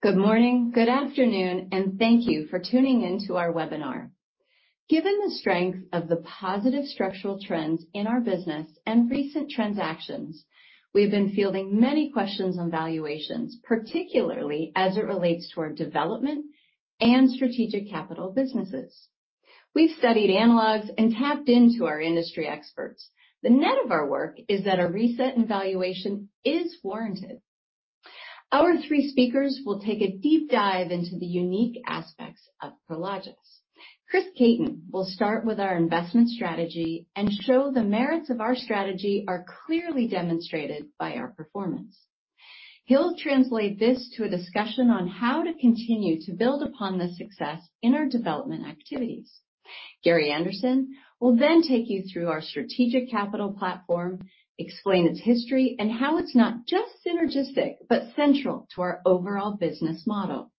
Good morning, good afternoon, and thank you for tuning into our webinar. Given the strength of the positive structural trends in our business and recent transactions, we've been fielding many questions on valuations, particularly as it relates to our development and Strategic Capital businesses. We've studied analogs and tapped into our industry experts. The net of our work is that a reset in valuation is warranted. Our three speakers will take a deep dive into the unique aspects of Prologis. Chris Caton will start with our investment strategy and show the merits of our strategy are clearly demonstrated by our performance. He'll translate this to a discussion on how to continue to build upon the success in our development activities. Gary Anderson will then take you through our Strategic Capital Platform, explain its history, and how it's not just synergistic, but central to our overall business model.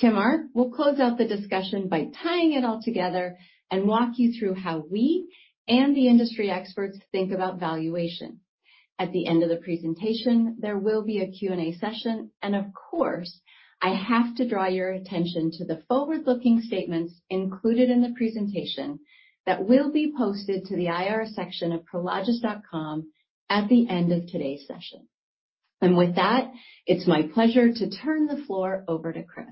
Tim Arndt will close out the discussion by tying it all together and walk you through how we and the industry experts think about valuation. At the end of the presentation, there will be a Q&A session, of course, I have to draw your attention to the forward-looking statements included in the presentation that will be posted to the IR section of prologis.com at the end of today's session. With that, it's my pleasure to turn the floor over to Chris.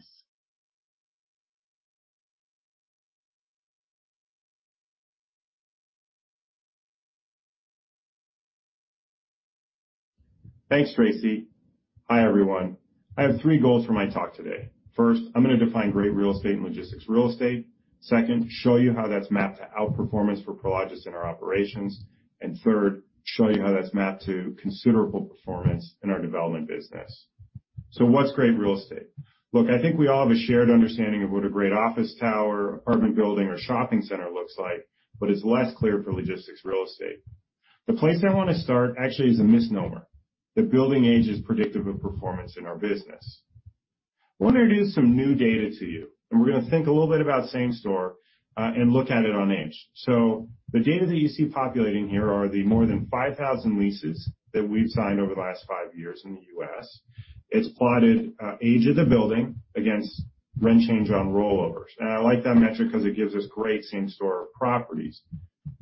Thanks, Tracy. Hi, everyone. I have three goals for my talk today. First, I'm going to define great real estate and logistics real estate. Second, show you how that's mapped to outperformance for Prologis in our operations. Third, show you how that's mapped to considerable performance in our development business. What's great real estate? Look, I think we all have a shared understanding of what a great office tower, apartment building, or shopping center looks like, but it's less clear for logistics real estate. The place I want to start actually is a misnomer, that building age is predictive of performance in our business. I want to introduce some new data to you, and we're going to think a little bit about same store, and look at it on age. The data that you see populating here are the more than 5,000 leases that we've signed over the last five years in the U.S. It's plotted age of the building against rent change on rollovers. I like that metric because it gives us great same store properties.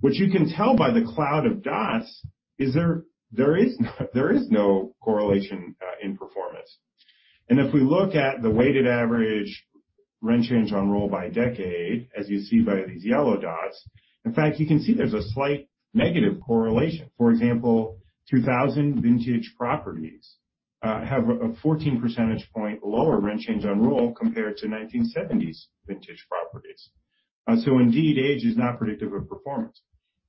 What you can tell by the cloud of dots is there is no correlation in performance. If we look at the weighted average rent change on roll by decade, as you see by these yellow dots, in fact, you can see there's a slight negative correlation. For example, 2000 vintage properties have a 14 percentage point lower rent change on roll compared to 1970s vintage properties. Indeed, age is not predictive of performance.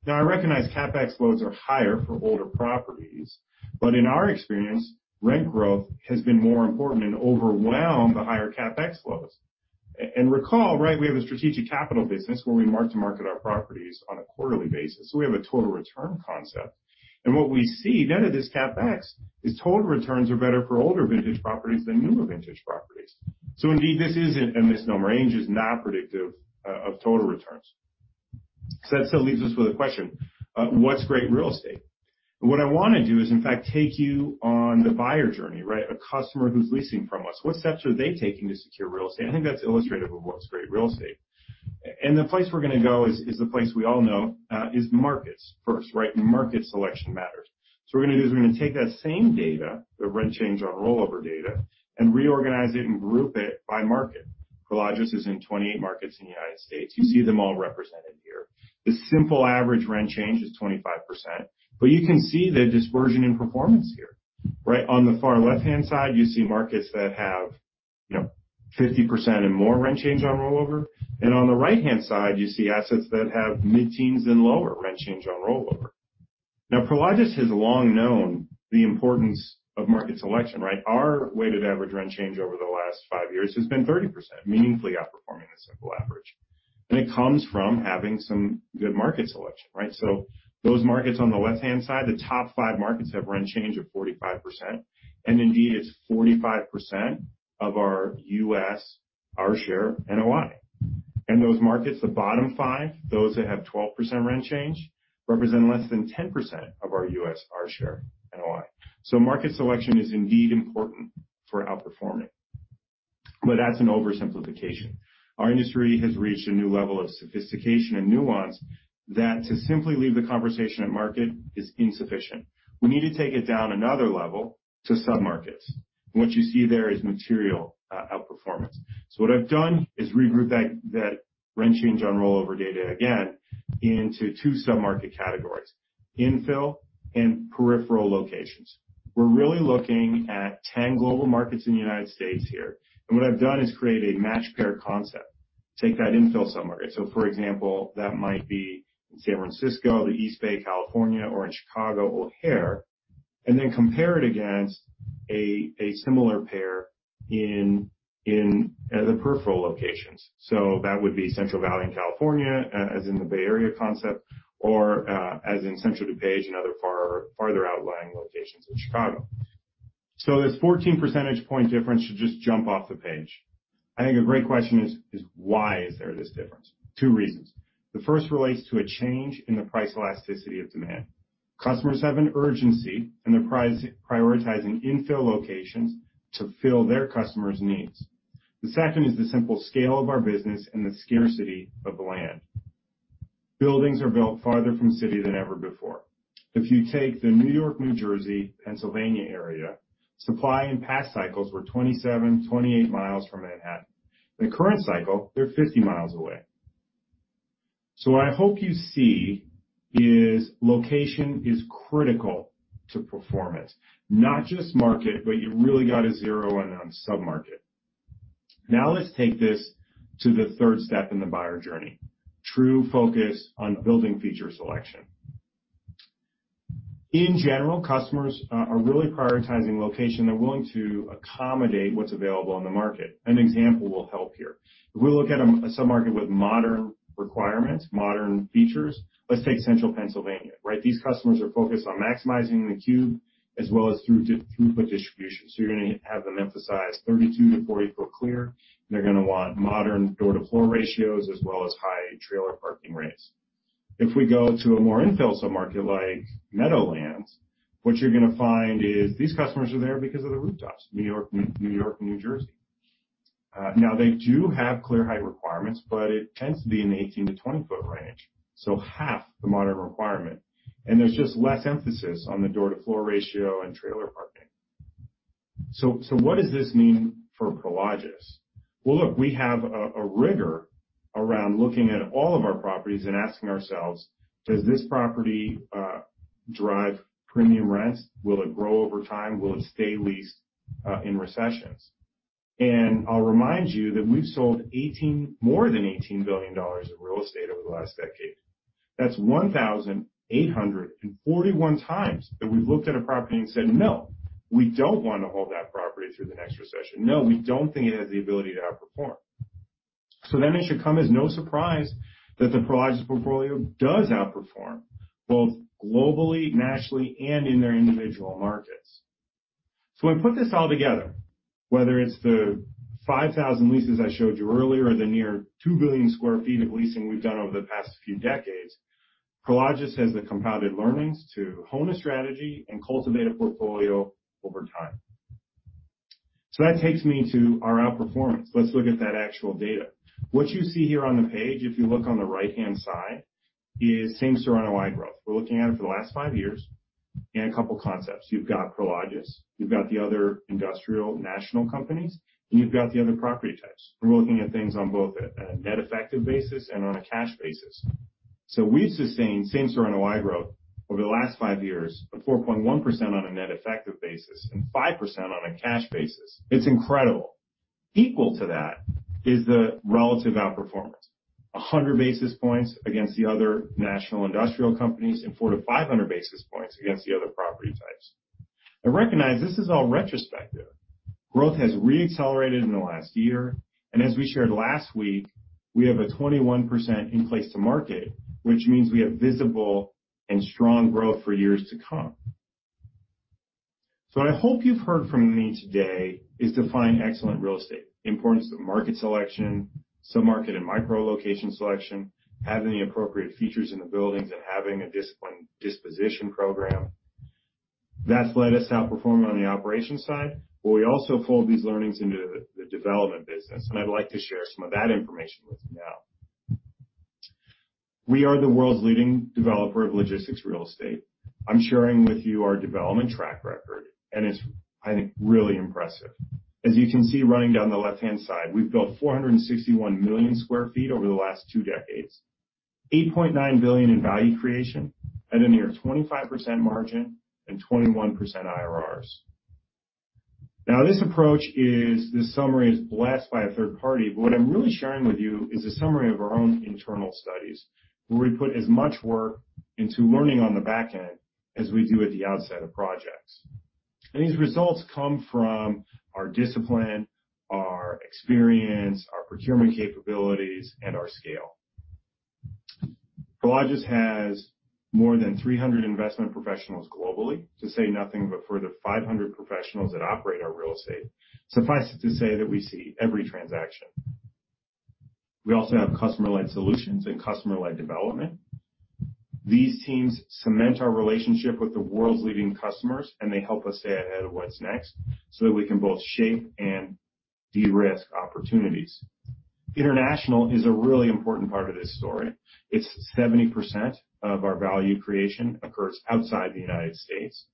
I recognize CapEx loads are higher for older properties, but in our experience, rent growth has been more important and overwhelmed the higher CapEx loads. Recall, we have a strategic capital business where we mark to market our properties on a quarterly basis. We have a total return concept. What we see net of this CapEx is total returns are better for older vintage properties than newer vintage properties. Indeed, this isn't a misnomer. Age is not predictive of total returns. That still leaves us with a question, what's great real estate? What I want to do is, in fact, take you on the buyer journey, a customer who's leasing from us. What steps are they taking to secure real estate? I think that's illustrative of what's great real estate. The place we're going to go is the place we all know, is markets first. Market selection matters. What we're going to do is we're going to take that same data, the rent change on rollover data, and reorganize it and group it by market. Prologis is in 28 markets in the United States. You see them all represented here. The simple average rent change is 25%, but you can see the dispersion in performance here. On the far left-hand side, you see markets that have 50% and more rent change on rollover. On the right-hand side, you see assets that have mid-teens and lower rent change on rollover. Prologis has long known the importance of market selection. Our weighted average rent change over the last five years has been 30%, meaningfully outperforming the simple average. It comes from having some good market selection. Those markets on the left-hand side, the top five markets have rent change of 45%, and indeed, it's 45% of our U.S., our share NOI. Those markets, the bottom five, those that have 12% rent change, represent less than 10% of our U.S., our share NOI. Market selection is indeed important for outperforming. That's an oversimplification. Our industry has reached a new level of sophistication and nuance that to simply leave the conversation at market is insufficient. We need to take it down another level to sub-markets. What you see there is material outperformance. What I've done is regroup that rent change on rollover data again into two sub-market categories, infill and peripheral locations. We're really looking at 10 global markets in the United States here, and what I've done is create a match pair concept. Take that infill submarket. For example, that might be in San Francisco, the East Bay, California, or in Chicago, O'Hare, and then compare it against a similar pair in the peripheral locations. That would be Central Valley in California, as in the Bay Area concept, or, as in Central DuPage and other farther outlying locations in Chicago. This 14 percentage point difference should just jump off the page. I think a great question is why is there this difference? Two reasons. The first relates to a change in the price elasticity of demand. Customers have an urgency, and they're prioritizing infill locations to fill their customers' needs. The second is the simple scale of our business and the scarcity of land. Buildings are built farther from city than ever before. If you take the New York, New Jersey, Pennsylvania area, supply in past cycles were 27, 28 miles from Manhattan. The current cycle, they're 50 mi away. What I hope you see is location is critical to performance. Not just market, you really got to zero in on submarket. Let's take this to the third step in the buyer journey, true focus on building feature selection. In general, customers are really prioritizing location. They're willing to accommodate what's available on the market. An example will help here. If we look at a submarket with modern requirements, modern features. Let's take Central Pennsylvania, right? These customers are focused on maximizing the cube as well as throughput distribution. You're going to have them emphasize 32 ft-40 ft clear. They're going to want modern door-to-floor ratios as well as high trailer parking rates. If we go to a more infill sub-market like Meadowlands, what you're going to find is these customers are there because of the rooftops, New York and New Jersey. Now, they do have clear height requirements, but it tends to be in the 18 ft-20 ft range, so half the modern requirement. There's just less emphasis on the door-to-floor ratio and trailer parking. What does this mean for Prologis? Well, look, we have a rigor around looking at all of our properties and asking ourselves, does this property drive premium rents? Will it grow over time? Will it stay leased in recessions? I'll remind you that we've sold more than $18 billion of real estate over the last decade. That's 1,841 times that we've looked at a property and said, "No, we don't want to hold that property through the next recession. No, we don't think it has the ability to outperform. It should come as no surprise that the Prologis portfolio does outperform, both globally, nationally, and in their individual markets. I put this all together, whether it's the 5,000 leases I showed you earlier or the near 2 billion sq ft of leasing we've done over the past few decades, Prologis has the compounded learnings to hone a strategy and cultivate a portfolio over time. That takes me to our outperformance. Let's look at that actual data. What you see here on the page, if you look on the right-hand side, is same store NOI growth. We're looking at it for the last five years and a couple of concepts. You've got Prologis, you've got the other industrial national companies, and you've got the other property types. We're looking at things on both a net effective basis and on a cash basis. We've sustained same store NOI growth over the last five years of 4.1% on a net effective basis and 5% on a cash basis. It's incredible. Equal to that is the relative outperformance, 100 basis points against the other national industrial companies and 400 basis points-500 basis points against the other property types. Now recognize this is all retrospective. Growth has re-accelerated in the last year, and as we shared last week, we have a 21% in place to market, which means we have visible and strong growth for years to come. What I hope you've heard from me today is defining excellent real estate, importance of market selection, sub-market and micro location selection, having the appropriate features in the buildings, and having a disciplined disposition program. That's let us outperform on the operations side, but we also fold these learnings into the development business, and I'd like to share some of that information with you now. We are the world's leading developer of logistics real estate. I'm sharing with you our development track record, and it's, I think, really impressive. As you can see, running down the left-hand side, we've built 461 million sq ft over the last two decades, $8.9 billion in value creation at a near 25% margin and 21% IRRs. Now, this approach is, this summary is blessed by a third party, but what I'm really sharing with you is a summary of our own internal studies, where we put as much work into learning on the back end as we do at the outset of projects. These results come from our discipline, our experience, our procurement capabilities, and our scale. Prologis has more than 300 investment professionals globally, to say nothing of a further 500 professionals that operate our real estate. Suffice it to say that we see every transaction. We also have customer-led solutions and customer-led development. These teams cement our relationship with the world's leading customers, and they help us stay ahead of what's next so that we can both shape and de-risk opportunities. International is a really important part of this story. It's 70% of our value creation occurs outside the United States.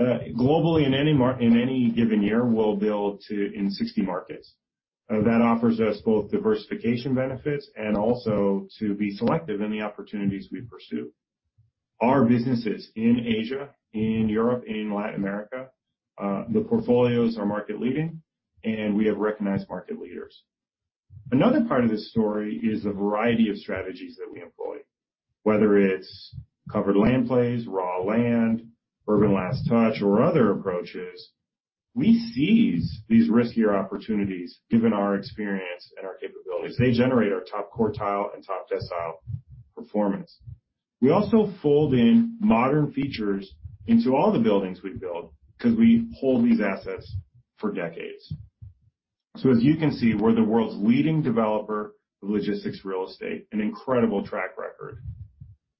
Globally, in any given year, we'll build in 60 markets. That offers us both diversification benefits and also to be selective in the opportunities we pursue. Our businesses in Asia, in Europe, in Latin America, the portfolios are market leading, and we have recognized market leaders. Another part of this story is the variety of strategies that we employ, whether it's covered land plays, raw land, urban last touch, or other approaches. We seize these riskier opportunities given our experience and our capabilities. They generate our top quartile and top decile performance. We also fold in modern features into all the buildings we build because we hold these assets for decades. So as you can see, we're the world's leading developer of logistics real estate, an incredible track record.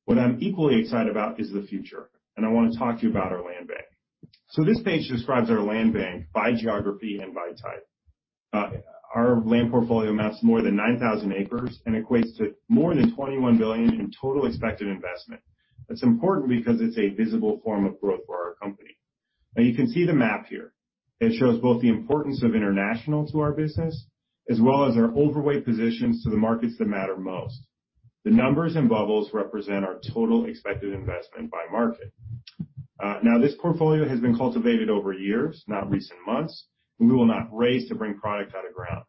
What I'm equally excited about is the future, and I want to talk to you about our land bank. This page describes our land bank by geography and by type. Our land portfolio amounts to more than 9,000 acres and equates to more than $21 billion in total expected investment. That's important because it's a visible form of growth for our company. You can see the map here. It shows both the importance of international to our business, as well as our overweight positions to the markets that matter most. The numbers and bubbles represent our total expected investment by market. This portfolio has been cultivated over years, not recent months, and we will not race to bring product out of ground.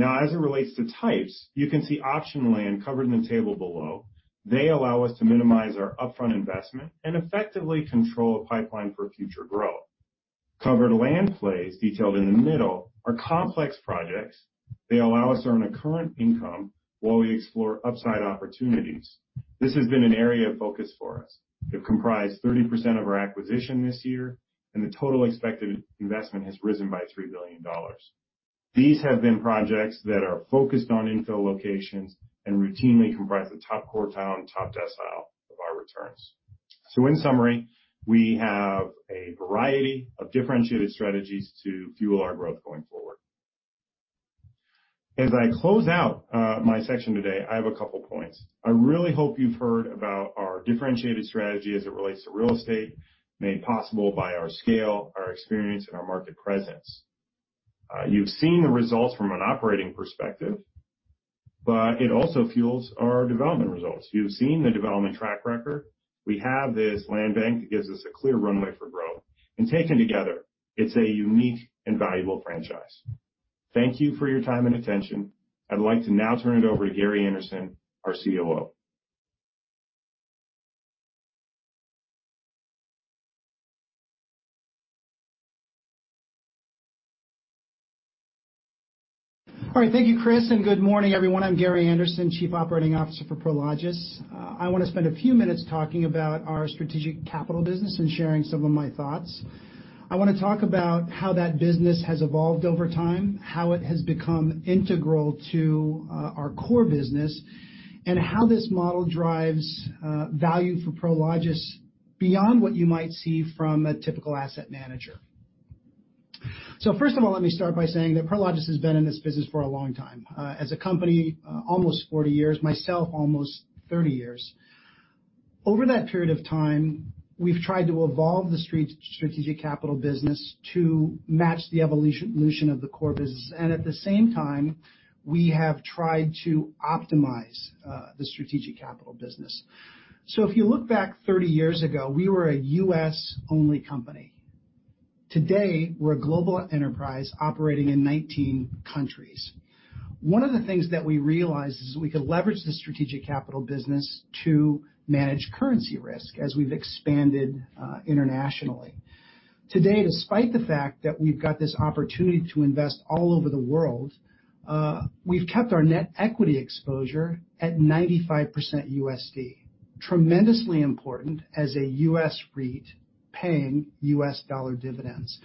As it relates to types, you can see option land covered in the table below. They allow us to minimize our upfront investment and effectively control a pipeline for future growth. Covered land plays detailed in the middle are complex projects. They allow us to earn a current income while we explore upside opportunities. This has been an area of focus for us. They've comprised 30% of our acquisition this year, and the total expected investment has risen by $3 billion. These have been projects that are focused on infill locations and routinely comprise the top quartile and top decile of our returns. In summary, we have a variety of differentiated strategies to fuel our growth going forward. As I close out my section today, I have a couple points. I really hope you've heard about our differentiated strategy as it relates to real estate, made possible by our scale, our experience, and our market presence. You've seen the results from an operating perspective, but it also fuels our development results. You've seen the development track record. We have this land bank that gives us a clear runway for growth. Taken together, it's a unique and valuable franchise. Thank you for your time and attention. I'd like to now turn it over to Gary Anderson, our COO. All right. Thank you, Chris. Good morning, everyone. I'm Gary Anderson, Chief Operating Officer for Prologis. I want to spend a few minutes talking about our strategic capital business and sharing some of my thoughts. I want to talk about how that business has evolved over time, how it has become integral to our core business, and how this model drives value for Prologis beyond what you might see from a typical asset manager. First of all, let me start by saying that Prologis has been in this business for a long time. As a company, almost 40 years. Myself, almost 30 years. Over that period of time, we've tried to evolve the strategic capital business to match the evolution of the core business. At the same time, we have tried to optimize the strategic capital business. If you look back 30 years ago, we were a U.S.-only company. Today, we're a global enterprise operating in 19 countries. One of the things that we realized is we could leverage the strategic capital business to manage currency risk, as we've expanded internationally. Today, despite the fact that we've got this opportunity to invest all over the world, we've kept our net equity exposure at 95% USD. Tremendously important as a U.S. REIT paying U.S. dollar dividends.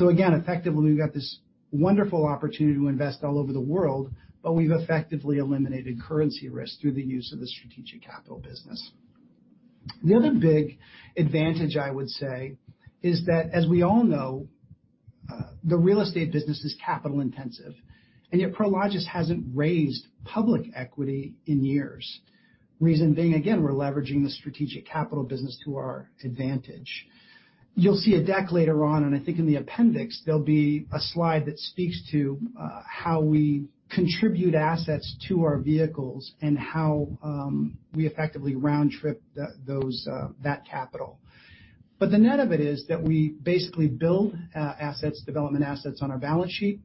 Again, effectively, we've got this wonderful opportunity to invest all over the world, but we've effectively eliminated currency risk through the use of the strategic capital business. The other big advantage, I would say, is that, as we all know, the real estate business is capital intensive, and yet Prologis hasn't raised public equity in years. Reason being, again, we're leveraging the strategic capital business to our advantage. You'll see a deck later on. I think in the appendix, there'll be a slide that speaks to how we contribute assets to our vehicles and how we effectively round trip that capital. The net of it is that we basically build assets, development assets, on our balance sheet.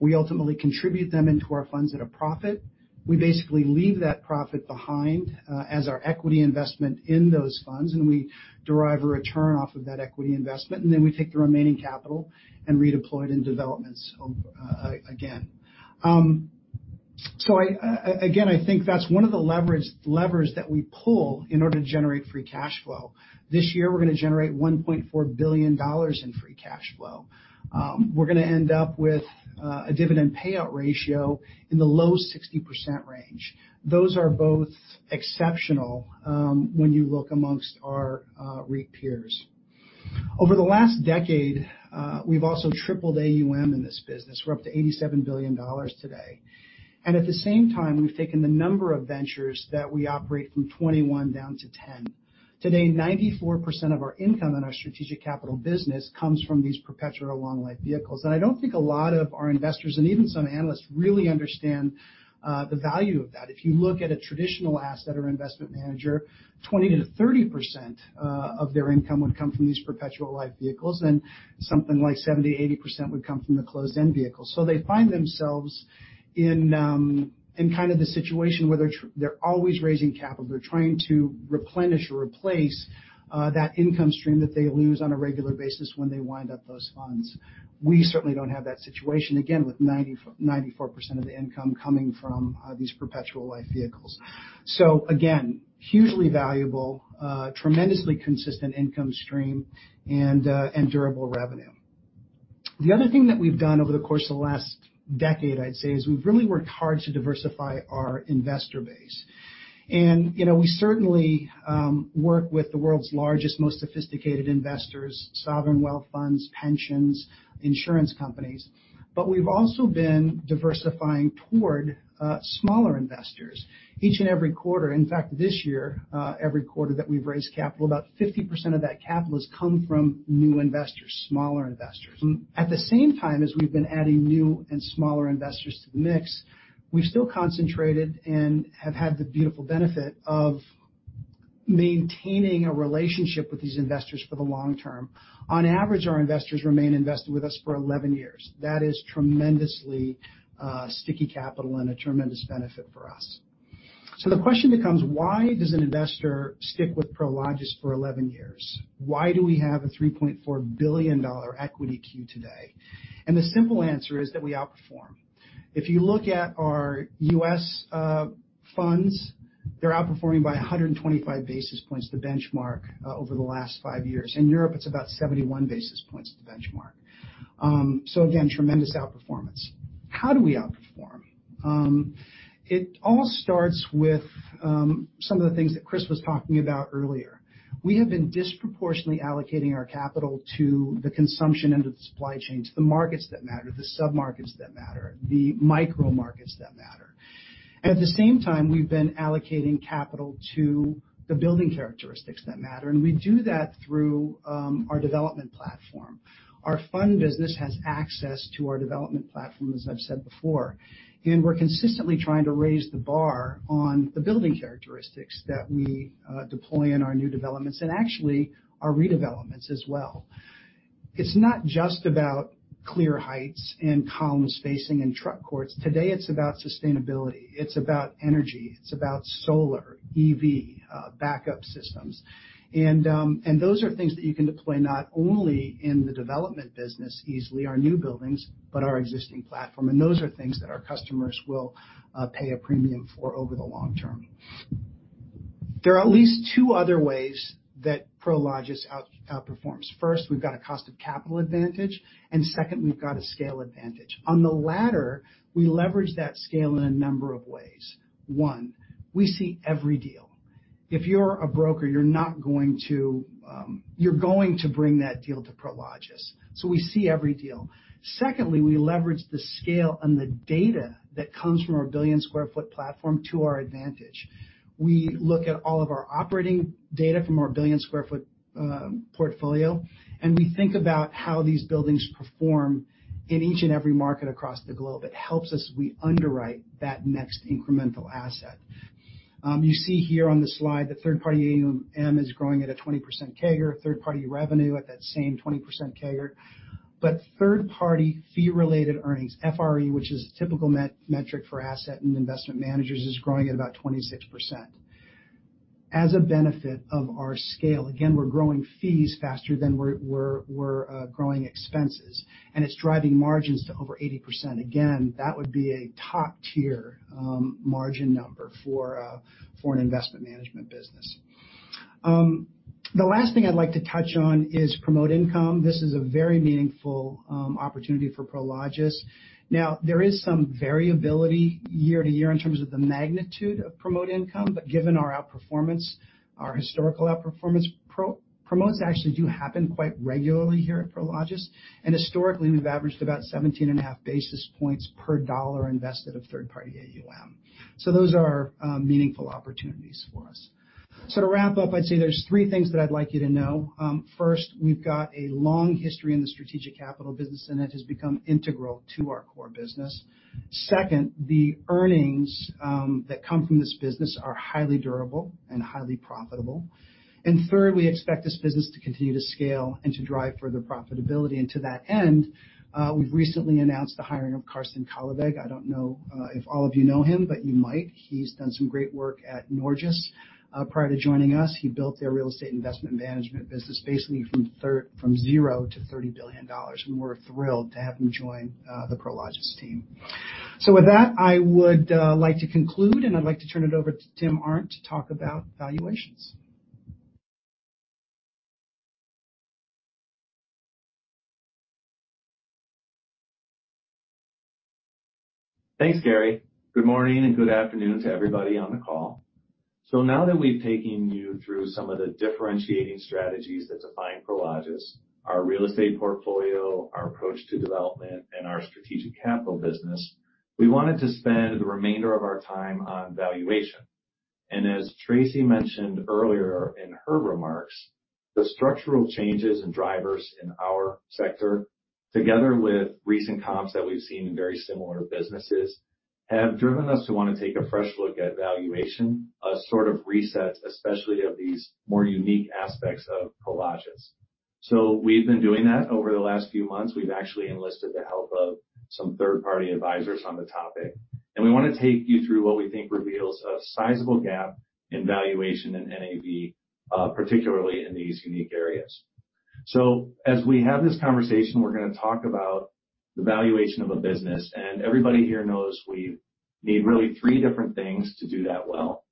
We ultimately contribute them into our funds at a profit. We basically leave that profit behind as our equity investment in those funds, and we derive a return off of that equity investment, and then we take the remaining capital and redeploy it in developments again. Again, I think that's one of the levers that we pull in order to generate free cash flow. This year, we're going to generate $1.4 billion in free cash flow. We're going to end up with a dividend payout ratio in the low 60% range. Those are both exceptional when you look amongst our REIT peers. Over the last decade, we've also tripled AUM in this business. We're up to $87 billion today. At the same time, we've taken the number of ventures that we operate from 21 down to 10. Today, 94% of our income in our strategic capital business comes from these perpetual long life vehicles. I don't think a lot of our investors, and even some analysts, really understand the value of that. If you look at a traditional asset or investment manager, 20%-30% of their income would come from these perpetual life vehicles, and something like 70%, 80% would come from the closed-end vehicles. They find themselves in the situation where they're always raising capital. They're trying to replenish or replace that income stream that they lose on a regular basis when they wind up those funds. We certainly don't have that situation, again, with 94% of the income coming from these perpetual life vehicles. Again, hugely valuable, tremendously consistent income stream, and durable revenue. The other thing that we've done over the course of the last decade, I'd say, is we've really worked hard to diversify our investor base. We certainly work with the world's largest, most sophisticated investors, sovereign wealth funds, pensions, insurance companies, but we've also been diversifying toward smaller investors each and every quarter. In fact, this year, every quarter that we've raised capital, about 50% of that capital has come from new investors, smaller investors. At the same time as we've been adding new and smaller investors to the mix, we've still concentrated and have had the beautiful benefit of maintaining a relationship with these investors for the long term. On average, our investors remain invested with us for 11 years. That is tremendously sticky capital and a tremendous benefit for us. The question becomes, why does an investor stick with Prologis for 11 years? Why do we have a $3.4 billion equity queue today? The simple answer is that we outperform. If you look at our U.S. funds, they're outperforming by 125 basis points to benchmark over the last five years. In Europe, it's about 71 basis points to benchmark. Again, tremendous outperformance. How do we outperform? It all starts with some of the things that Chris was talking about earlier. We have been disproportionately allocating our capital to the consumption end of the supply chain, to the markets that matter, the sub-markets that matter, the micro markets that matter. At the same time, we've been allocating capital to the building characteristics that matter, and we do that through our development platform. Our fund business has access to our development platform, as I've said before. We're consistently trying to raise the bar on the building characteristics that we deploy in our new developments and actually our redevelopments as well. It's not just about clear heights and column spacing and truck courts. Today, it's about sustainability, it's about energy, it's about solar, EV backup systems. Those are things that you can deploy not only in the development business easily, our new buildings, but our existing platform. Those are things that our customers will pay a premium for over the long term. There are at least two other ways that Prologis outperforms. First, we've got a cost of capital advantage, and second, we've got a scale advantage. On the latter, we leverage that scale in a number of ways. One, we see every deal. If you're a broker, you're going to bring that deal to Prologis. We see every deal. Secondly, we leverage the scale and the data that comes from our 1 billion sq ft platform to our advantage. We look at all of our operating data from our 1 billion sq ft portfolio, and we think about how these buildings perform in each and every market across the globe. It helps us as we underwrite that next incremental asset. You see here on the slide that third party AUM is growing at a 20% CAGR, third party revenue at that same 20% CAGR. Third party fee related earnings, FRE, which is a typical metric for asset and investment managers, is growing at about 26%. As a benefit of our scale, again, we're growing fees faster than we're growing expenses, and it's driving margins to over 80%. Again, that would be a top tier margin number for an investment management business. The last thing I'd like to touch on is promote income. This is a very meaningful opportunity for Prologis. Now, there is some variability year-to-year in terms of the magnitude of promote income, but given our outperformance, our historical outperformance, promotes actually do happen quite regularly here at Prologis. Historically, we've averaged about 17.5 basis points per dollar invested of third party AUM. Those are meaningful opportunities for us. To wrap up, I'd say there's three things that I'd like you to know. First, we've got a long history in the strategic capital business, and it has become integral to our core business. Second, the earnings that come from this business are highly durable and highly profitable. Third, we expect this business to continue to scale and to drive further profitability. To that end, we've recently announced the hiring of Karsten Kallevig. I don't know if all of you know him, but you might. He's done some great work at Norges. Prior to joining us, he built their real estate investment management business, basically from zero to $30 billion. We're thrilled to have him join the Prologis team. With that, I would like to conclude, and I’d like to turn it over to Tim Arndt to talk about valuations. Thanks, Gary. Good morning and good afternoon to everybody on the call. Now that we've taken you through some of the differentiating strategies that define Prologis, our real estate portfolio, our approach to development, and our strategic capital business, we wanted to spend the remainder of our time on valuation. As Tracy mentioned earlier in her remarks, the structural changes and drivers in our sector, together with recent comps that we've seen in very similar businesses, have driven us to want to take a fresh look at valuation, a sort of reset, especially of these more unique aspects of Prologis. We've been doing that over the last few months. We've actually enlisted the help of some third party advisors on the topic, and we want to take you through what we think reveals a sizable gap in valuation and NAV, particularly in these unique areas. As we have this conversation, we're going to talk about the valuation of a business. Everybody here knows we need really three different things to do that well.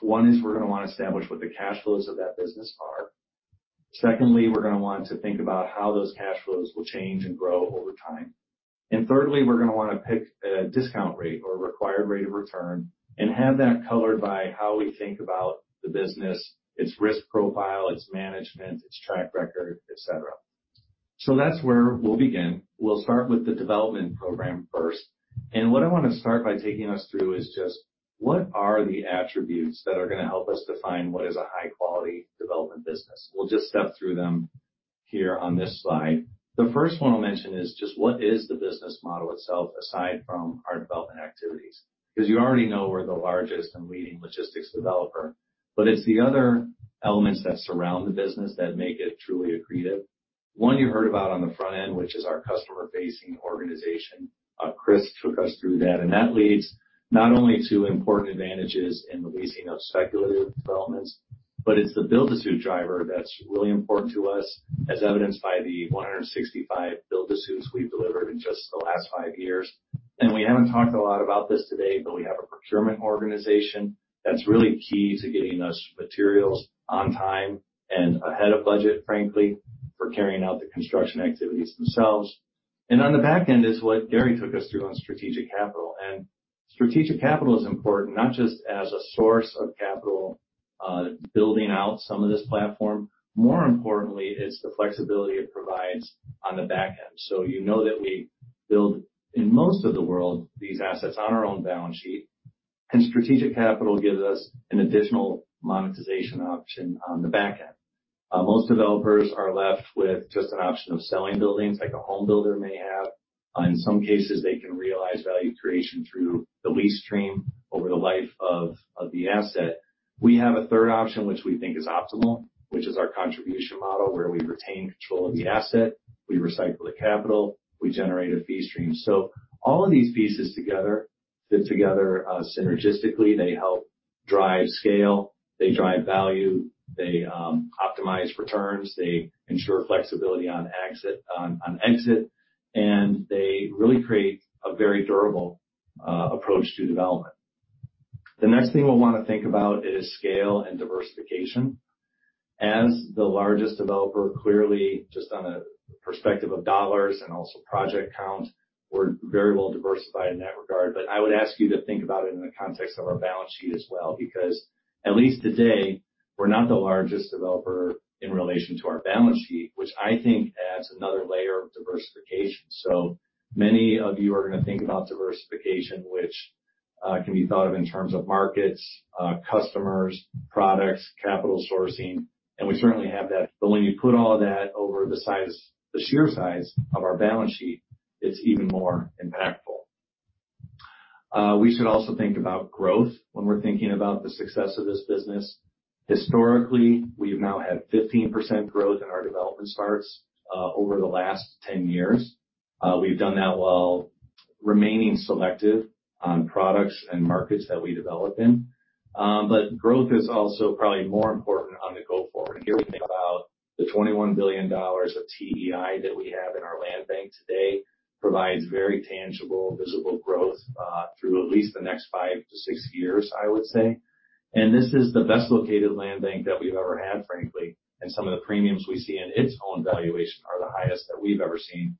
One, is we're going to want to establish what the cash flows of that business are. Secondly, we're going to want to think about how those cash flows will change and grow over time. Thirdly, we're going to want to pick a discount rate or required rate of return and have that colored by how we think about the business, its risk profile, its management, its track record, et cetera. That's where we'll begin. We'll start with the development program first. What I want to start by taking us through is just what are the attributes that are going to help us define what is a high quality development business? We'll just step through them here on this slide. The first one I'll mention is just what is the business model itself, aside from our development activities. You already know we're the largest and leading logistics developer, but it's the other elements that surround the business that make it truly accretive. One you heard about on the front end, which is our customer facing organization. Chris took us through that, and that leads not only to important advantages in the leasing of speculative developments, but it's the build-to-suit driver that's really important to us, as evidenced by the 165 build-to-suits we've delivered in just the last five years. We haven't talked a lot about this today, but we have a procurement organization that's really key to getting us materials on time and ahead of budget, frankly, for carrying out the construction activities themselves. On the back end is what Gary took us through on strategic capital. Strategic capital is important not just as a source of capital, building out some of this platform. More importantly, it's the flexibility it provides on the back end. You know that we build, in most of the world, these assets on our own balance sheet. Strategic capital gives us an additional monetization option on the back end. Most developers are left with just an option of selling buildings like a home builder may have. In some cases, they can realize value creation through the lease stream over the life of the asset. We have a third option, which we think is optimal, which is our contribution model, where we retain control of the asset, we recycle the capital, we generate a fee stream. All of these pieces together fit together synergistically. They help drive scale, they drive value, they optimize returns, they ensure flexibility on exit, and they really create a very durable approach to development. The next thing we'll want to think about is scale and diversification. As the largest developer, clearly, just on a perspective of dollars and also project count, we're very well diversified in that regard. I would ask you to think about it in the context of our balance sheet as well, because at least today, we're not the largest developer in relation to our balance sheet, which I think adds another layer of diversification. Many of you are going to think about diversification, which can be thought of in terms of markets, customers, products, capital sourcing, and we certainly have that. When you put all that over the sheer size of our balance sheet, it's even more impactful. We should also think about growth when we're thinking about the success of this business. Historically, we've now had 15% growth in our development starts over the last 10 years. We've done that while remaining selective on products and markets that we develop in. Growth is also probably more important on the go forward. Here we think about the $21 billion of TEI that we have in our land bank today provides very tangible, visible growth, through at least the next five to six years, I would say. This is the best located land bank that we've ever had, frankly. Some of the premiums we see in its own valuation are the highest that we've ever seen.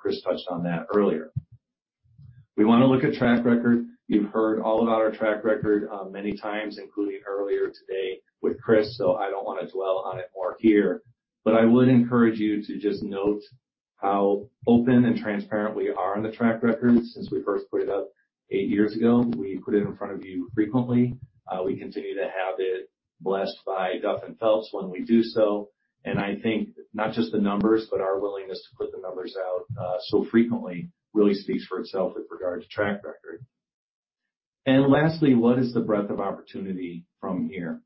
Chris Caton touched on that earlier. We want to look at track record. You've heard all about our track record many times, including earlier today with Chris, so I don't want to dwell on it more here. I would encourage you to just note how open and transparent we are on the track record since we first put it up eight years ago. We put it in front of you frequently. We continue to have it blessed by Duff & Phelps when we do so. I think not just the numbers, but our willingness to put the numbers out so frequently really speaks for itself with regard to track record. Lastly, what is the breadth of opportunity from here?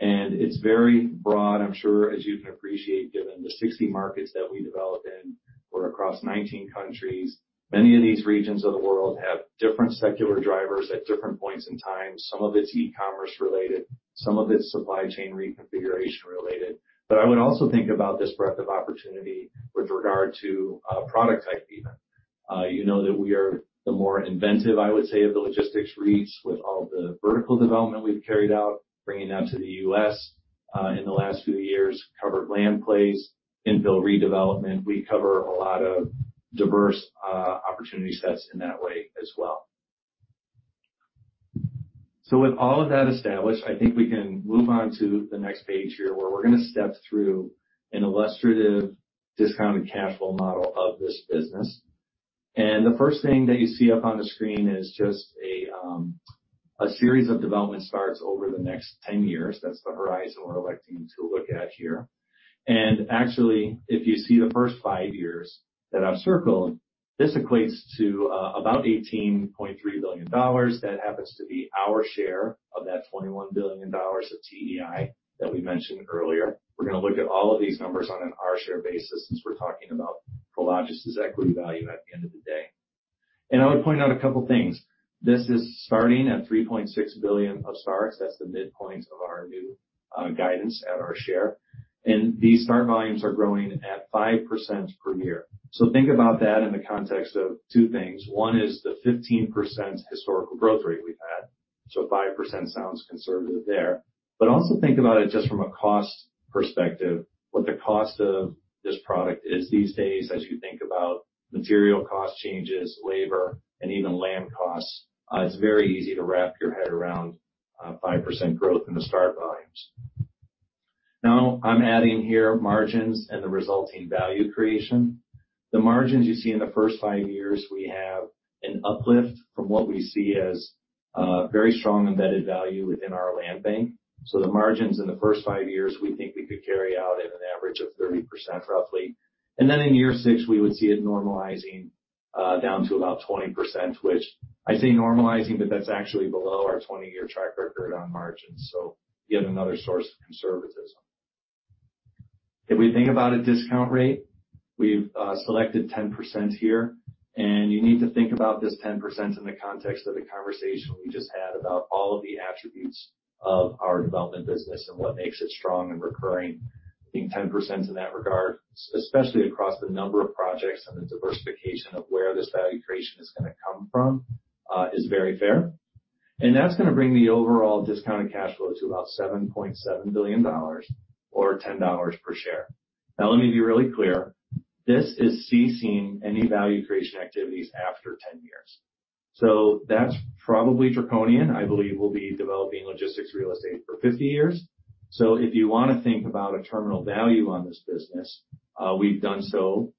It's very broad, I'm sure, as you can appreciate, given the 60 markets that we develop in or across 19 countries. Many of these regions of the world have different secular drivers at different points in time. Some of it's e-commerce related, some of it's supply chain reconfiguration related. I would also think about this breadth of opportunity with regard to product type even. You know that we are the more inventive, I would say, of the logistics REITs with all the vertical development we've carried out, bringing that to the U.S. in the last few years, covered land plays, infill redevelopment. We cover a lot of diverse opportunity sets in that way as well. With all of that established, I think we can move on to the next page here where we're going to step through an illustrative discounted cash flow model of this business. The first thing that you see up on the screen is just a series of development starts over the next 10 years. That's the horizon we're electing to look at here. Actually, if you see the first five years that I've circled, this equates to about $18.3 billion. That happens to be our share of that $21 billion of TEI that we mentioned earlier. We're going to look at all of these numbers on an our share basis since we're talking about Prologis' equity value at the end of the day. I would point out a couple things. This is starting at $3.6 billion of starts. That's the midpoint of our new guidance at our share. These start volumes are growing at 5% per year. Think about that in the context of two things. One is the 15% historical growth rate we've had. 5% sounds conservative there. Also think about it just from a cost perspective, what the cost of this product is these days as you think about material cost changes, labor, and even land costs. It's very easy to wrap your head around 5% growth in the start volumes. Now I'm adding here margins and the resulting value creation. The margins you see in the first five years, we have an uplift from what we see as very strong embedded value within our land bank. The margins in the first five years, we think we could carry out at an average of 30%, roughly. Then in year six, we would see it normalizing down to about 20%, which I say normalizing, but that's actually below our 20-year track record on margins. Yet another source of conservatism. If we think about a discount rate, we've selected 10% here. You need to think about this 10% in the context of the conversation we just had about all of the attributes of our development business and what makes it strong and recurring. I think 10% in that regard, especially across the number of projects and the diversification of where this value creation is going to come from, is very fair. That's going to bring the overall discounted cash flow to about $7.7 billion or $10 per share. Let me be really clear. This is ceasing any value creation activities after 10 years. That's probably draconian. I believe we'll be developing logistics real estate for 50 years. If you want to think about a terminal value on this business, we've done so.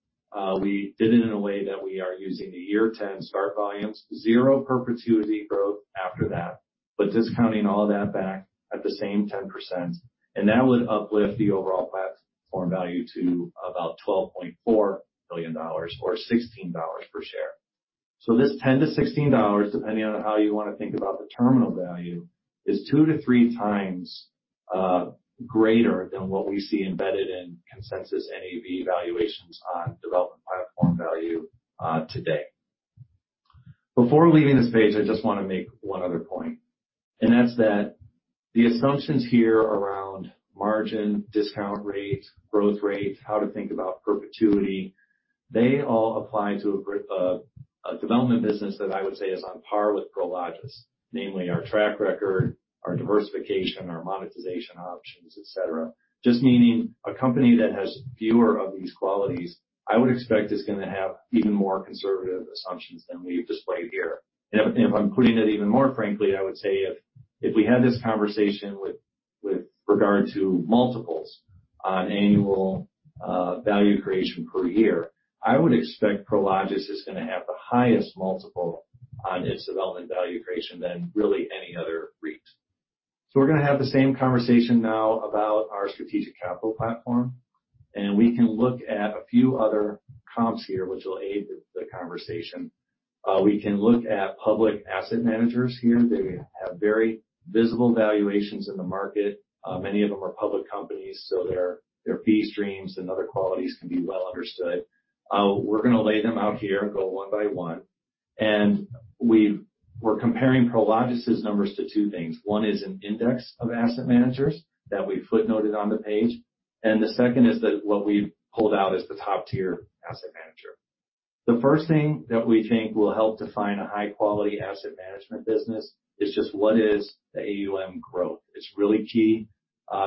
We did it in a way that we are using the year 10 start volumes, zero perpetuity growth after that, but discounting all that back at the same 10%. That would uplift the overall platform value to about $12.4 billion or $16 per share. This $10 to $16, depending on how you want to think about the terminal value, is 2x-3x greater than what we see embedded in consensus NAV valuations on development platform value today. Before leaving this page, I just want to make one other point, and that's that the assumptions here around margin, discount rate, growth rate, how to think about perpetuity, they all apply to a development business that I would say is on par with Prologis, namely our track record, our diversification, our monetization options, et cetera. Just meaning a company that has fewer of these qualities, I would expect is going to have even more conservative assumptions than we've displayed here. If I'm putting it even more frankly, I would say if we had this conversation with regard to multiples on annual value creation per year, I would expect Prologis is going to have the highest multiple on its development value creation than really any other REIT. We're going to have the same conversation now about our strategic capital platform, and we can look at a few other comps here which will aid the conversation. We can look at public asset managers here. They have very visible valuations in the market. Many of them are public companies, their fee streams and other qualities can be well understood. We're going to lay them out here and go one by one. We're comparing Prologis' numbers to two things. One is an index of asset managers that we footnoted on the page, and the second is that what we've pulled out is the top-tier asset manager. The first thing that we think will help define a high-quality asset management business is just what is the AUM growth. It's really key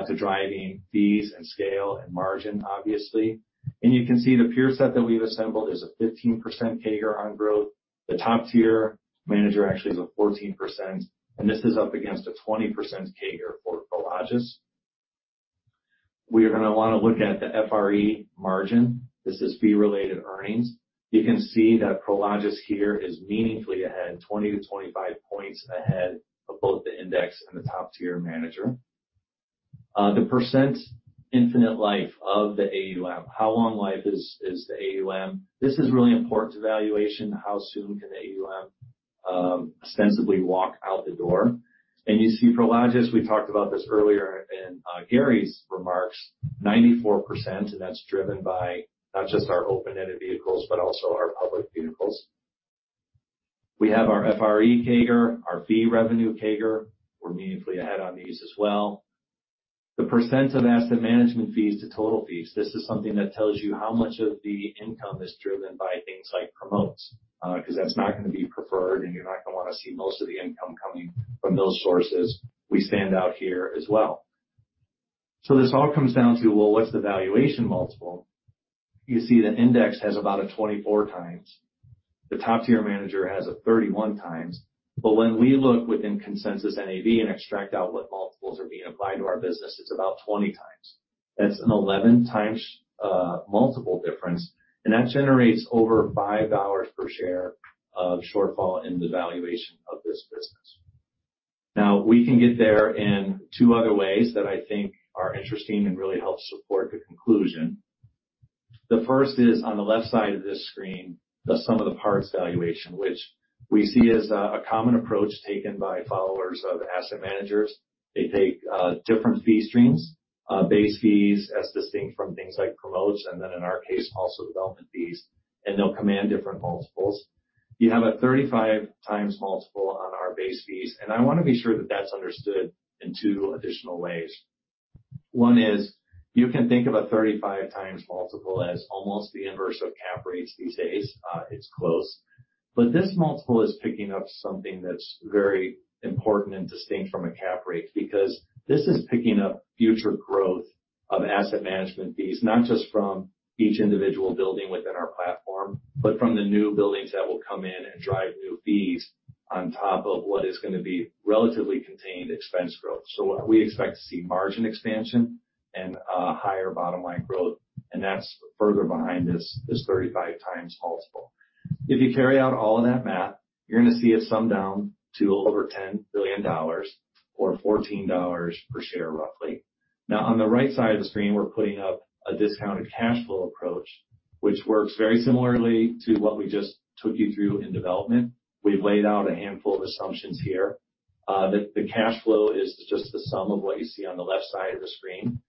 to driving fees and scale and margin, obviously. You can see the peer set that we've assembled is a 15% CAGR on growth. The top tier manager actually is a 14%, and this is up against a 20% CAGR for Prologis. We are going to want to look at the FRE margin. This is fee-related earnings. You can see that Prologis here is meaningfully ahead, 20-25 points ahead of both the index and the top tier manager. The percent infinite life of the AUM. How long life is the AUM? This is really important to valuation. How soon can the AUM ostensibly walk out the door? You see Prologis, we talked about this earlier in Gary's remarks, 94%, and that's driven by not just our open-ended vehicles, but also our public vehicles. We have our FRE CAGR, our fee revenue CAGR. We're meaningfully ahead on these as well. The percent of asset management fees to total fees. This is something that tells you how much of the income is driven by things like promote income, because that's not going to be preferred, and you're not going to want to see most of the income coming from those sources. We stand out here as well. This all comes down to, well, what's the valuation multiple? You see the index has about a 24x. The top tier manager has a 31x. When we look within consensus NAV and extract out what multiples are being applied to our business, it's about 20x. That's an 11x multiple difference, and that generates over $5 per share of shortfall in the valuation of this business. We can get there in two other ways that I think are interesting and really help support the conclusion. The first is on the left side of this screen, the sum of the parts valuation, which we see as a common approach taken by followers of asset managers. They take different fee streams, base fees as distinct from things like promotes, and then in our case, also development fees, and they'll command different multiples. You have a 35x multiple on our base fees, and I want to be sure that that's understood in two additional ways. One is you can think of a 35x multiple as almost the inverse of cap rates these days. It's close. This multiple is picking up something that's very important and distinct from a cap rate because this is picking up future growth of asset management fees, not just from each individual building within our platform, but from the new buildings that will come in and drive new fees on top of what is going to be relatively contained expense growth. We expect to see margin expansion and higher bottom line growth, and that's further behind this 35x multiple. If you carry out all of that math, you're going to see it sum down to over $10 billion or $14 per share roughly. On the right side of the screen, we're putting up a discounted cash flow approach, which works very similarly to what we just took you through in development. We've laid out a handful of assumptions here. The cash flow is just the sum of what you see on the left side of the screen,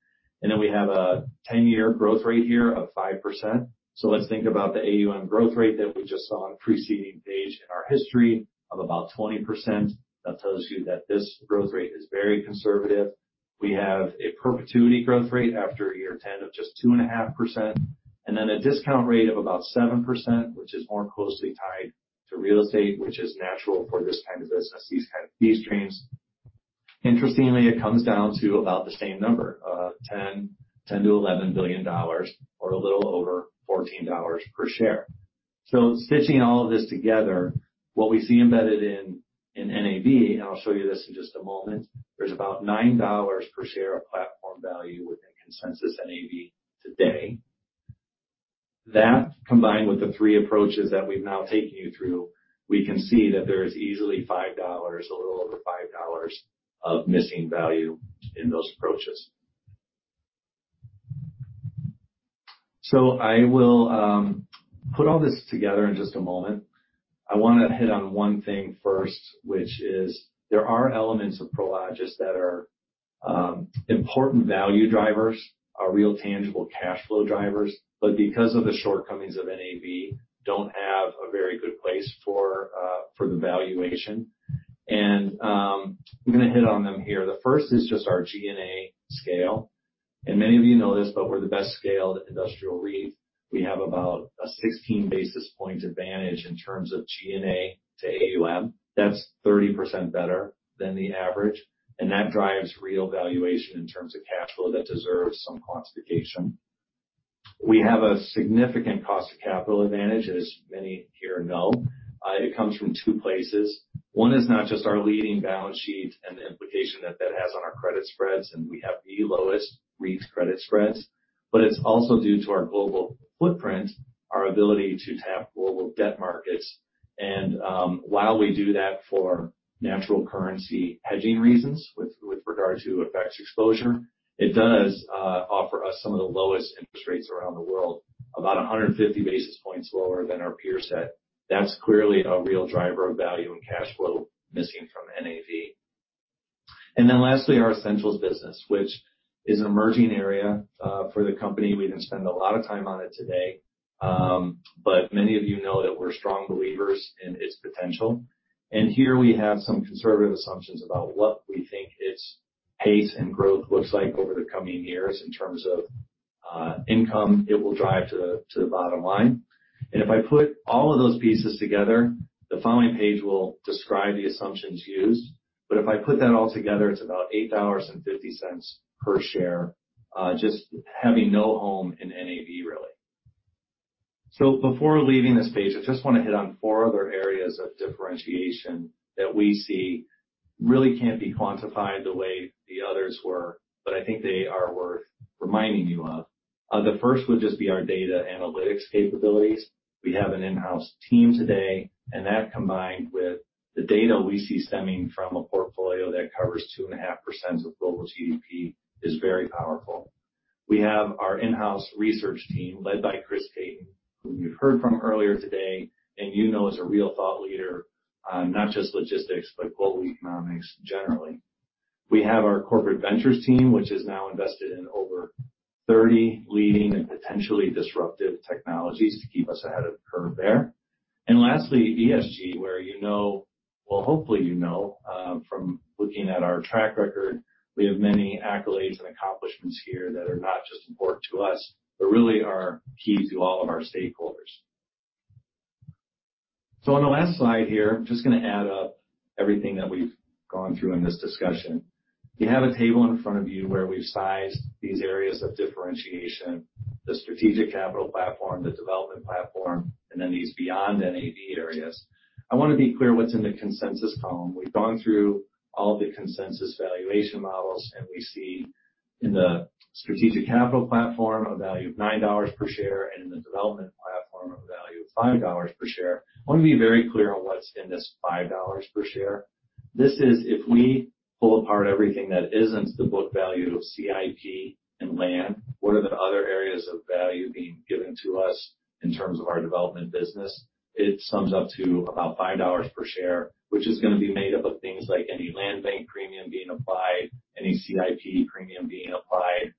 we have a 10-year growth rate here of 5%. Let's think about the AUM growth rate that we just saw on the preceding page in our history of about 20%. That tells you that this growth rate is very conservative. We have a perpetuity growth rate after year 10 of just 2.5%, a discount rate of about 7%, which is more closely tied to real estate, which is natural for this kind of business, these kind of fee streams. Interestingly, it comes down to about the same number, $10 billion-$11 billion, or a little over $14 per share. Stitching all of this together, what we see embedded in NAV, and I'll show you this in just a moment, there's about $9 per share of platform value within consensus NAV today. That, combined with the three approaches that we've now taken you through, we can see that there is easily $5, a little over $5 of missing value in those approaches. I will put all this together in just a moment. I want to hit on one thing first, which is there are elements of Prologis that are important value drivers, are real tangible cash flow drivers, but because of the shortcomings of NAV, don't have a very good place for the valuation. I'm going to hit on them here. Many of you know this, but we're the best scaled industrial REIT. We have about a 16 basis point advantage in terms of G&A to AUM. That's 30% better than the average, and that drives real valuation in terms of cash flow that deserves some quantification. We have a significant cost of capital advantage, as many here know it comes from two places. One is not just our leading balance sheet and the implication that that has on our credit spreads, and we have the lowest REIT credit spreads, but it's also due to our global footprint, our ability to tap global debt markets. While we do that for natural currency hedging reasons with regard to FX exposure, it does offer us some of the lowest interest rates around the world, about 150 basis points lower than our peer set. That's clearly a real driver of value and cash flow missing from NAV. Lastly, our Essentials business, which is an emerging area for the company. We didn't spend a lot of time on it today. Many of you know that we're strong believers in its potential. Here we have some conservative assumptions about what we think its pace and growth looks like over the coming years in terms of income it will drive to the bottom line. If I put all of those pieces together, the following page will describe the assumptions used. If I put that all together, it's about $8.50 per share, just having no home in NAV, really. Before leaving this page, I just want to hit on four other areas of differentiation that we see really can't be quantified the way the others were, but I think they are worth reminding you of. The first would just be our data analytics capabilities. We have an in-house team today, and that combined with the data we see stemming from a portfolio that covers 2.5% of global GDP is very powerful. We have our in house Research team led by Chris Caton, who you've heard from earlier today, and you know is a real thought leader on not just logistics, but global economics generally. We have our Prologis Ventures team, which is now invested in over 30 leading and potentially disruptive technologies to keep us ahead of the curve there. Lastly, ESG, where you know, well, hopefully you know, from looking at our track record, we have many accolades and accomplishments here that are not just important to us, but really are key to all of our stakeholders. On the last slide here, I'm just going to add up everything that we've gone through in this discussion. You have a table in front of you where we've sized these areas of differentiation, the strategic capital platform, the development platform, and then these beyond NAV areas. I want to be clear what's in the consensus column. We've gone through all the consensus valuation models, and we see in the strategic capital platform a value of $9 per share, and in the development platform a value of $5 per share. I want to be very clear on what's in this $5 per share. This is if we pull apart everything that isn't the book value of CIP and land, what are the other areas of value being given to us in terms of our development business? It sums up to about $5 per share, which is going to be made up of things like any land bank premium being applied, any CIP premium being applied.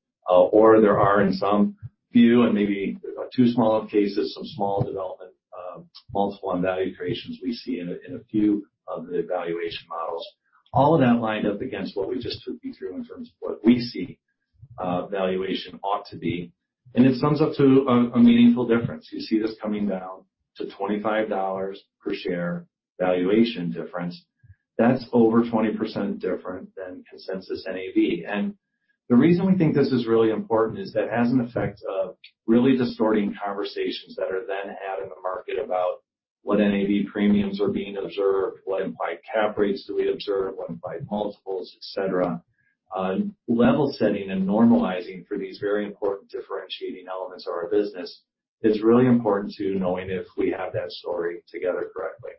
There are in some few, and maybe there's about two small cases, some small development multiple on value creations we see in a few of the valuation models. All of that lined up against what we just took you through in terms of what we see valuation ought to be, and it sums up to a meaningful difference. You see this coming down to $25 per share valuation difference. That's over 20% different than consensus NAV. The reason we think this is really important is that it has an effect of really distorting conversations that are then had in the market about what NAV premiums are being observed, what implied cap rates do we observe, what implied multiples, et cetera. Level-setting and normalizing for these very important differentiating elements of our business is really important to knowing if we have that story together correctly.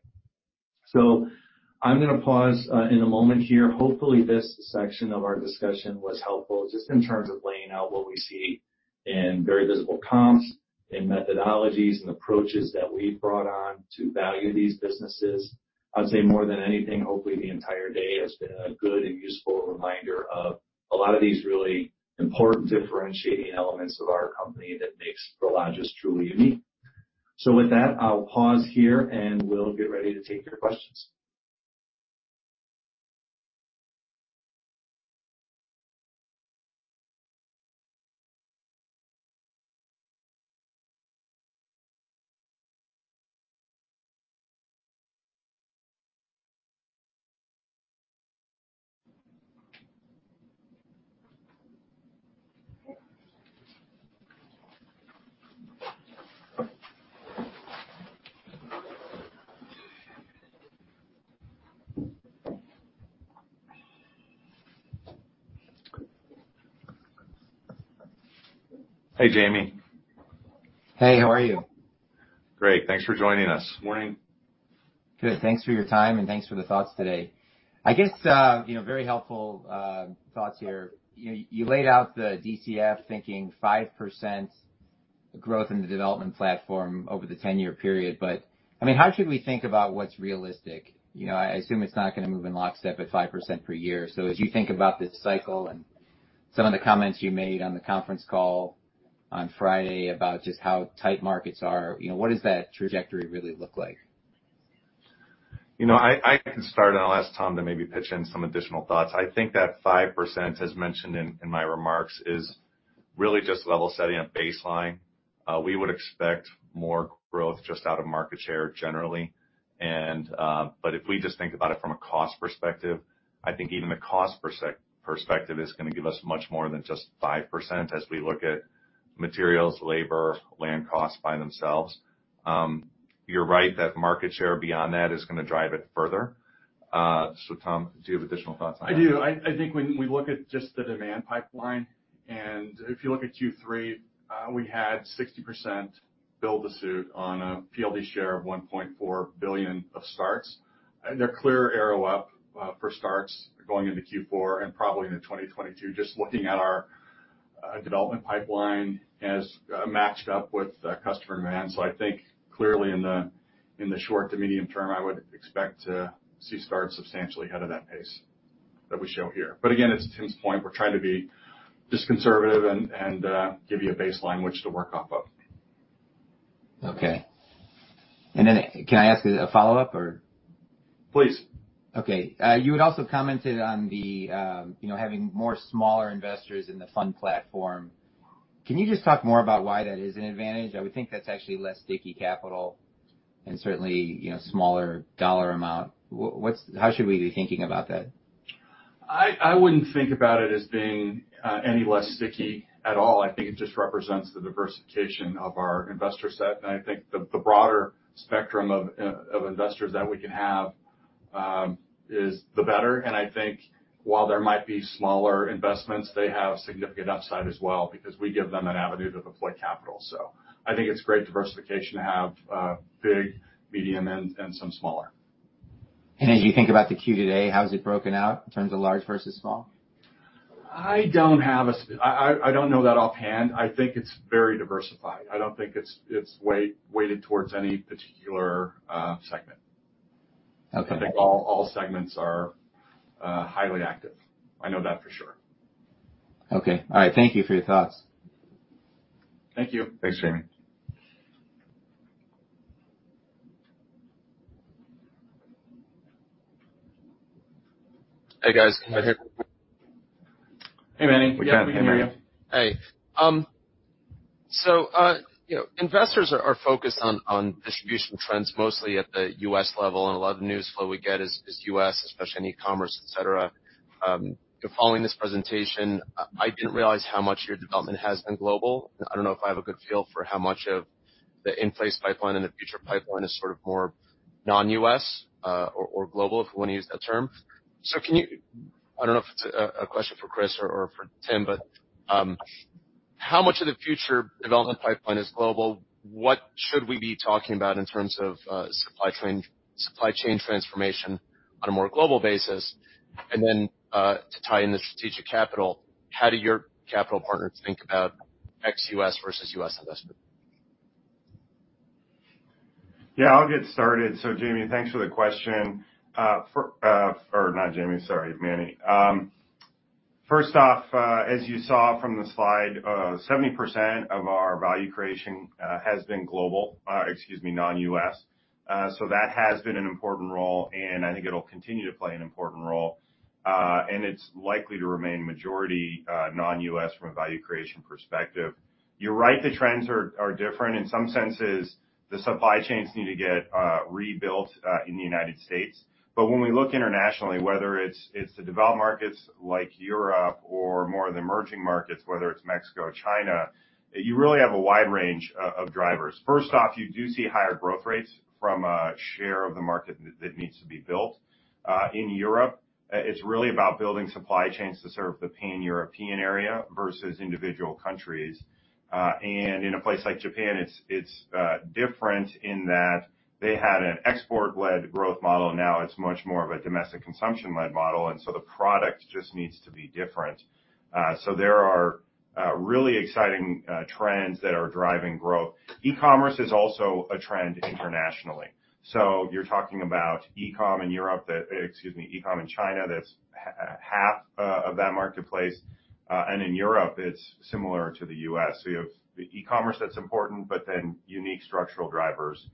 I'm going to pause in a moment here. Hopefully, this section of our discussion was helpful just in terms of laying out what we see in very visible comps, in methodologies and approaches that we've brought on to value these businesses. I'd say more than anything, hopefully the entire day has been a good and useful reminder of a lot of these really important differentiating elements of our company that makes Prologis truly unique. With that, I'll pause here, and we'll get ready to take your questions. Hey, Jamie. Hey, how are you? Great. Thanks for joining us. Morning. Good. Thanks for your time, and thanks for the thoughts today. I guess, very helpful thoughts here. You laid out the DCF thinking 5% growth in the development platform over the 10-year period. How should we think about what's realistic? I assume it's not going to move in lockstep at 5% per year. As you think about this cycle and some of the comments you made on the conference call on Friday about just how tight markets are, what does that trajectory really look like? I can start, and I'll ask Tom to maybe pitch in some additional thoughts. I think that 5%, as mentioned in my remarks, is really just level-setting a baseline. We would expect more growth just out of market share generally. If we just think about it from a cost perspective, I think even the cost perspective is going to give us much more than just 5% as we look at materials, labor, land costs by themselves. You're right that market share beyond that is going to drive it further. Tom, do you have additional thoughts on that? I do. I think when we look at just the demand pipeline, if you look at Q3, we had 60% build-to-suit on a PLD share of $1.4 billion of starts. They're clear arrow up for starts going into Q4 and probably into 2022, just looking at our development pipeline as matched up with customer demand. I think clearly in the short to medium term, I would expect to see starts substantially ahead of that pace that we show here. Again, to Tim's point, we're trying to be just conservative and give you a baseline which to work off of. Okay. Can I ask a follow-up or? Please. Okay. You had also commented on having more smaller investors in the fund platform. Can you just talk more about why that is an advantage? I would think that's actually less sticky capital and certainly smaller dollar amount. How should we be thinking about that? I wouldn't think about it as being any less sticky at all. I think it just represents the diversification of our investor set. I think the broader spectrum of investors that we can have is the better. I think while there might be smaller investments, they have significant upside as well because we give them an avenue to deploy capital. I think it's great diversification to have big, medium, and some smaller. As you think about the Q today, how is it broken out in terms of large versus small? I don't know that offhand. I think it's very diversified. I don't think it's weighted towards any particular segment. Okay. I think all segments are highly active. I know that for sure. Okay. All right. Thank you for your thoughts. Thank you. Thanks, Jamie. Hey, guys. Am I here? Hey, Manny. Yeah, we can hear you. Hey. Investors are focused on distribution trends, mostly at the U.S. level, and a lot of the news flow we get is U.S., especially in e-commerce, et cetera. Following this presentation, I didn't realize how much your development has been global. I don't know if I have a good feel for how much of the in-place pipeline and the future pipeline is sort of more non-U.S. or global, if you want to use that term. Can you I don't know if it's a question for Chris or for Tim, but how much of the future development pipeline is global? What should we be talking about in terms of supply chain transformation on a more global basis? To tie in the strategic capital, how do your capital partners think about ex-U.S. versus U.S. investment? Yeah, I'll get started. Jamie, thanks for the question. Not Jamie, sorry, Manny. As you saw from the slide, 70% of our value creation has been global, excuse me, non-U.S. That has been an important role, and I think it'll continue to play an important role. It's likely to remain majority non-U.S. from a value creation perspective. You're right, the trends are different. In some senses, the supply chains need to get rebuilt in the U.S. When we look internationally, whether it's the developed markets like Europe or more of the emerging markets, whether it's Mexico or China, you really have a wide range of drivers. You do see higher growth rates from a share of the market that needs to be built. In Europe, it's really about building supply chains to serve the pan-European area versus individual countries. In a place like Japan, it's different in that they had an export-led growth model, now it's much more of a domestic consumption-led model, and so the product just needs to be different. There are really exciting trends that are driving growth. E-commerce is also a trend internationally. You're talking about e-com in China, that's half of that marketplace. In Europe, it's similar to the U.S. You have the e-commerce that's important, but then unique structural drivers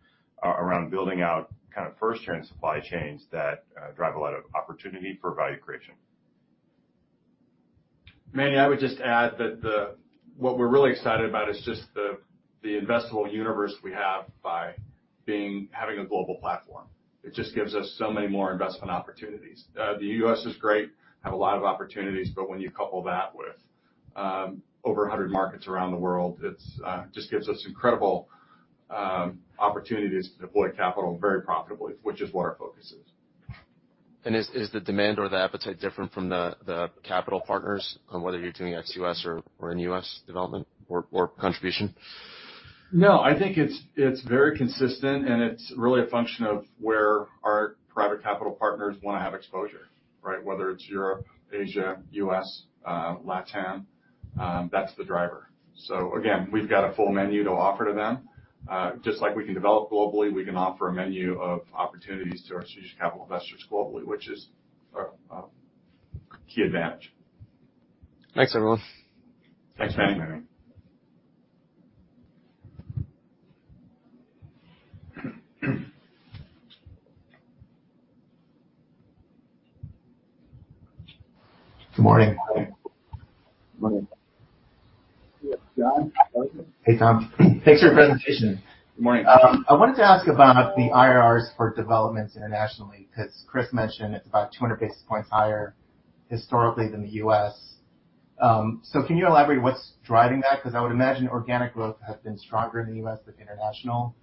around building out kind of first-tier supply chains that drive a lot of opportunity for value creation. Manny, I would just add that what we're really excited about is just the investable universe we have by having a global platform. It just gives us so many more investment opportunities. The U.S. is great, have a lot of opportunities, when you couple that with over 100 markets around the world, it just gives us incredible opportunities to deploy capital very profitably, which is what our focus is. Is the demand or the appetite different from the capital partners on whether you're doing ex-U.S. or in U.S. development or contribution? I think it's very consistent, and it's really a function of where our private capital partners want to have exposure, right? Whether it's Europe, Asia, U.S., LATAM, that's the driver. Again, we've got a full menu to offer to them. Just like we can develop globally, we can offer a menu of opportunities to our strategic capital investors globally, which is a key advantage. Thanks, everyone. Thanks, Manny. Thanks, Manny. Good morning. Morning. Morning. John, how are you? Hey, Tom. Thanks for your presentation. Good morning. I wanted to ask about the IRRs for developments internationally, because Chris mentioned it's about 200 basis points higher historically than the U.S. Can you elaborate what's driving that? Because I would imagine organic growth has been stronger in the U.S. than international.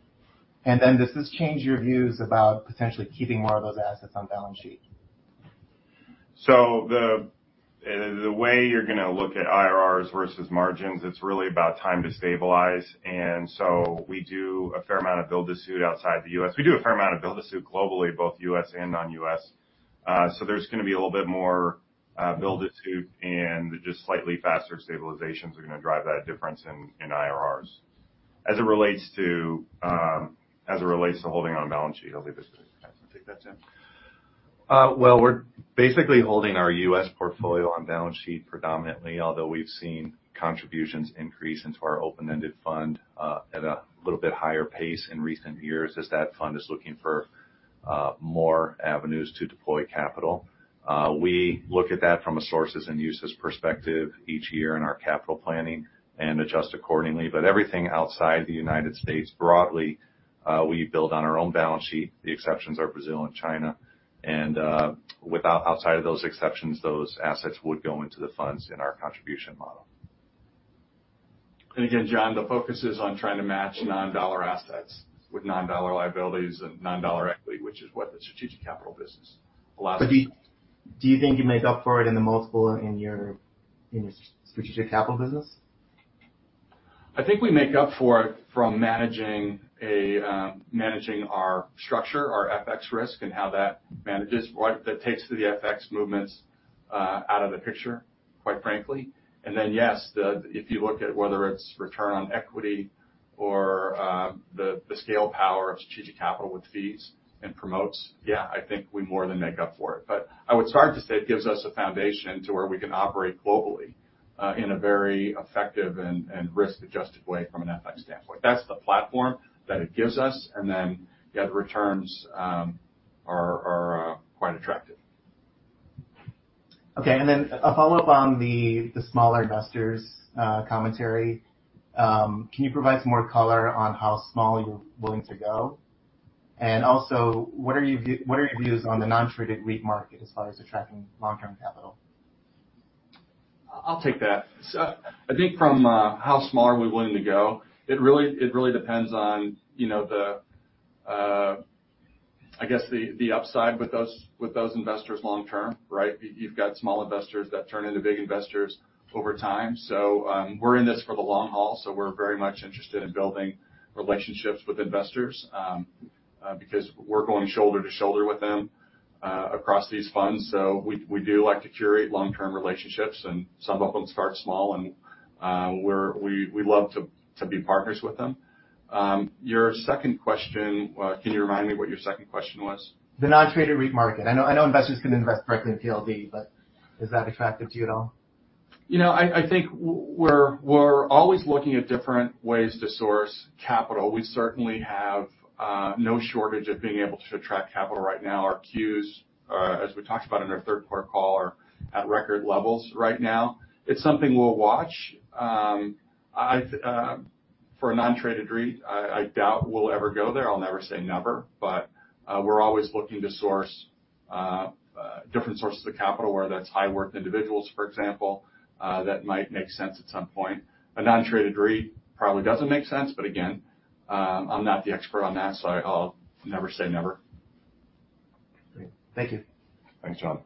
Does this change your views about potentially keeping more of those assets on balance sheet? The way you're going to look at IRRs versus margins, it's really about time to stabilize. We do a fair amount of build-to-suit outside the U.S. We do a fair amount of build-to-suit globally, both U.S. and non-U.S. There's going to be a little bit more build-to-suit, and just slightly faster stabilizations are going to drive that difference in IRRs. As it relates to holding on balance sheet, I'll leave this to Tim. I can take that, Tim. Well, we're basically holding our U.S. portfolio on balance sheet predominantly, although we've seen contributions increase into our open-ended fund at a little bit higher pace in recent years as that fund is looking for more avenues to deploy capital. We look at that from a sources and uses perspective each year in our capital planning and adjust accordingly. Everything outside the United States, broadly, we build on our own balance sheet. The exceptions are Brazil and China. Outside of those exceptions, those assets would go into the funds in our contribution model. Again, John, the focus is on trying to match non-dollar assets with non-dollar liabilities and non-dollar equity, which is what the strategic capital business allows us to do. Do you think you make up for it in the multiple in your strategic capital business? I think we make up for it from managing our structure, our FX risk, and how that manages. That takes the FX movements out of the picture, quite frankly. Then, yes, if you look at whether it's return on equity or the scale power of strategic capital with fees and promotes, yeah, I think we more than make up for it. I would start to say it gives us a foundation to where we can operate globally, in a very effective and risk-adjusted way from an FX standpoint. That's the platform that it gives us, and then the returns are quite attractive. Okay. A follow-up on the smaller investors commentary. Can you provide some more color on how small you're willing to go? Also, what are your views on the non-traded REIT market as far as attracting long-term capital? I'll take that. I think from how small are we willing to go, it really depends on the upside with those investors long term, right? You've got small investors that turn into big investors over time. We're in this for the long haul, so we're very much interested in building relationships with investors, because we're going shoulder to shoulder with them across these funds. We do like to curate long-term relationships, and some of them start small and we love to be partners with them. Your second question, can you remind me what your second question was? The non-traded REIT market. I know investors can invest directly in PLD, but is that attractive to you at all? I think we're always looking at different ways to source capital. We certainly have no shortage of being able to attract capital right now. Our queues, as we talked about in our third quarter call, are at record levels right now. It's something we'll watch. For a non-traded REIT, I doubt we'll ever go there. I'll never say never, we're always looking to source different sources of capital, whether that's high worth individuals, for example, that might make sense at some point. A non-traded REIT probably doesn't make sense, again, I'm not the expert on that, so I'll never say never. Great. Thank you. Thanks, John.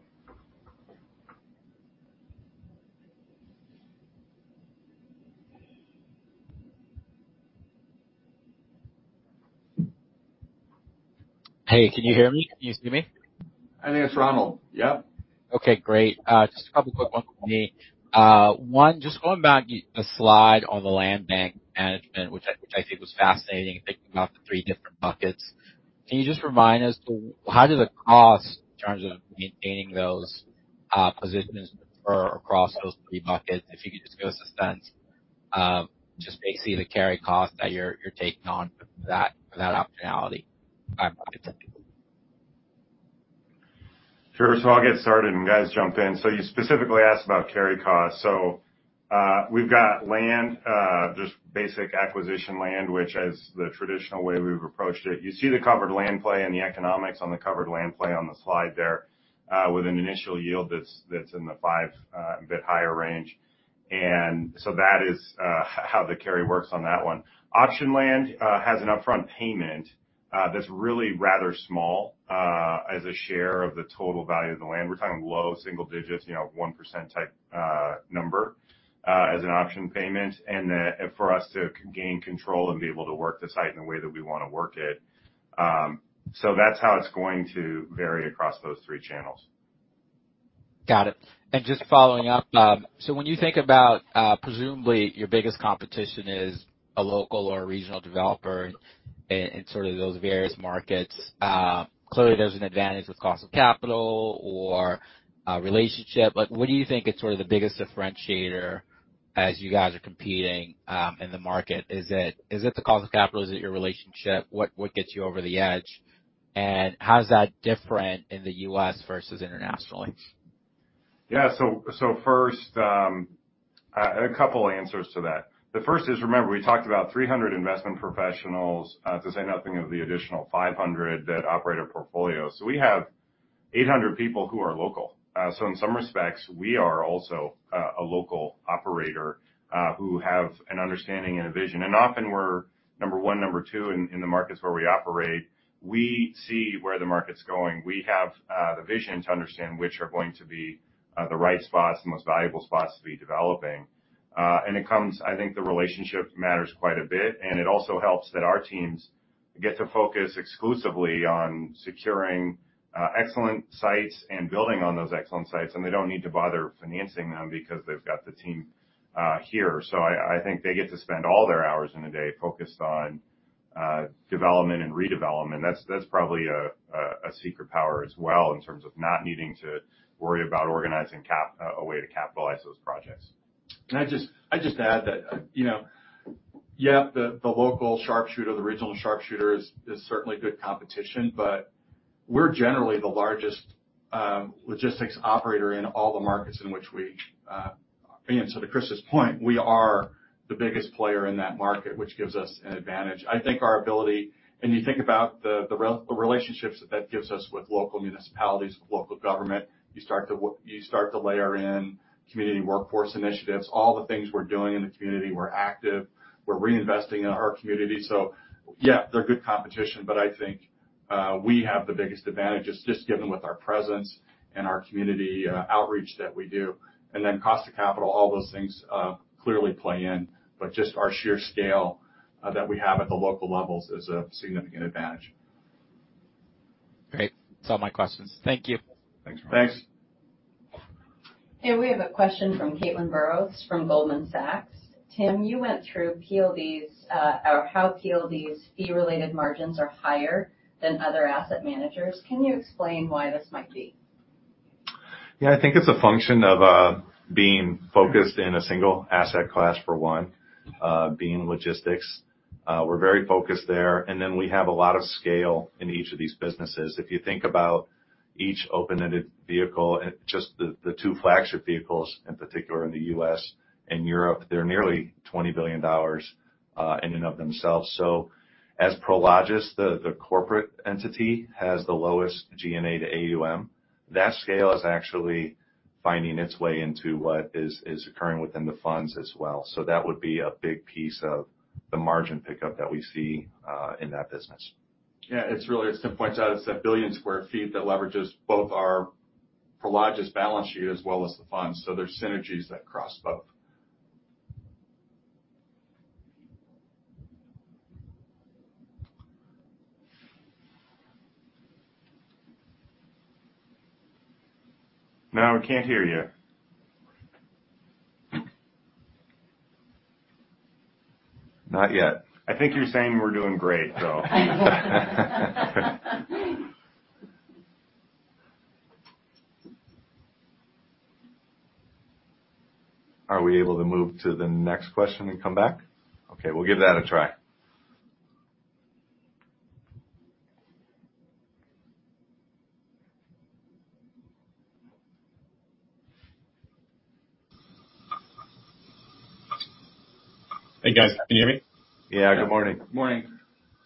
Hey, can you hear me? Can you see me? I think it's Ronald. Yep. Okay, great. Just a couple quick ones from me. One, just going back, the slide on the land bank management, which I think was fascinating, thinking about the three different buckets. Can you just remind us, how does it cost in terms of maintaining those positions across those three buckets? If you could just give us a sense, just basically the carry cost that you're taking on for that optionality. Sure. I'll get started and guys jump in. You specifically asked about carry costs. We've got land, just basic acquisition land, which as the traditional way we've approached it. You see the covered land play and the economics on the covered land play on the slide there with an initial yield that's in the five, a bit higher range. That is how the carry works on that one. Auction land has an upfront payment that's really rather small as a share of the total value of the land. We're talking low single-digits, 1% type number as an option payment, and for us to gain control and be able to work the site in the way that we want to work it. That's how it's going to vary across those three channels. Got it. Just following up, when you think about presumably your biggest competition is a local or a regional developer in those various markets. Clearly, there's an advantage with cost of capital or relationship. What do you think is the biggest differentiator as you guys are competing in the market? Is it the cost of capital? Is it your relationship? What gets you over the edge? How is that different in the U.S. versus internationally? First, a couple answers to that. The first is, remember, we talked about 300 investment professionals, to say nothing of the additional 500 that operate a portfolio. We have 800 people who are local. So in some respects, we are also a local operator who have an understanding and a vision. Often we're number one, number two in the markets where we operate. We see where the market's going. We have the vision to understand which are going to be the right spots, the most valuable spots to be developing. I think the relationship matters quite a bit, and it also helps that our teams get to focus exclusively on securing excellent sites and building on those excellent sites, and they don't need to bother financing them because they've got the team here. I think they get to spend all their hours in the day focused on development and redevelopment. That's probably a secret power as well in terms of not needing to worry about organizing a way to capitalize those projects. Can I just add that, yeah, the local sharpshooter, the regional sharpshooter is certainly good competition, but we're generally the largest logistics operator in all the markets. To Chris's point, we are the biggest player in that market, which gives us an advantage. I think our ability, you think about the relationships that that gives us with local municipalities, with local government, you start to layer in community workforce initiatives, all the things we're doing in the community. We're active. We're reinvesting in our community. Yeah, they're good competition, but I think we have the biggest advantages just given with our presence and our community outreach that we do. Cost of capital, all those things clearly play in. Just our sheer scale that we have at the local levels is a significant advantage. Great. That's all my questions. Thank you. Thanks, Ronald. Thanks. We have a question from Caitlin Burrows from Goldman Sachs. Tim, you went through how PLD's fee-related margins are higher than other asset managers. Can you explain why this might be? I think it's a function of being focused in a single asset class for one, being logistics. We're very focused there, and then we have a lot of scale in each of these businesses. If you think about each open-ended vehicle, just the two flagship vehicles, in particular in the U.S. and Europe, they're nearly $20 billion in and of themselves. As Prologis, the corporate entity has the lowest G&A to AUM. That scale is actually finding its way into what is occurring within the funds as well. That would be a big piece of the margin pickup that we see in that business. Yeah. As Tim points out, it's that 1 billion square feet that leverages both our Prologis balance sheet as well as the funds. There's synergies that cross both. Now we can't hear you. Not yet. I think you're saying we're doing great, though. Are we able to move to the next question and come back? Okay, we'll give that a try. Hey, guys. Can you hear me? Yeah, good morning. Morning.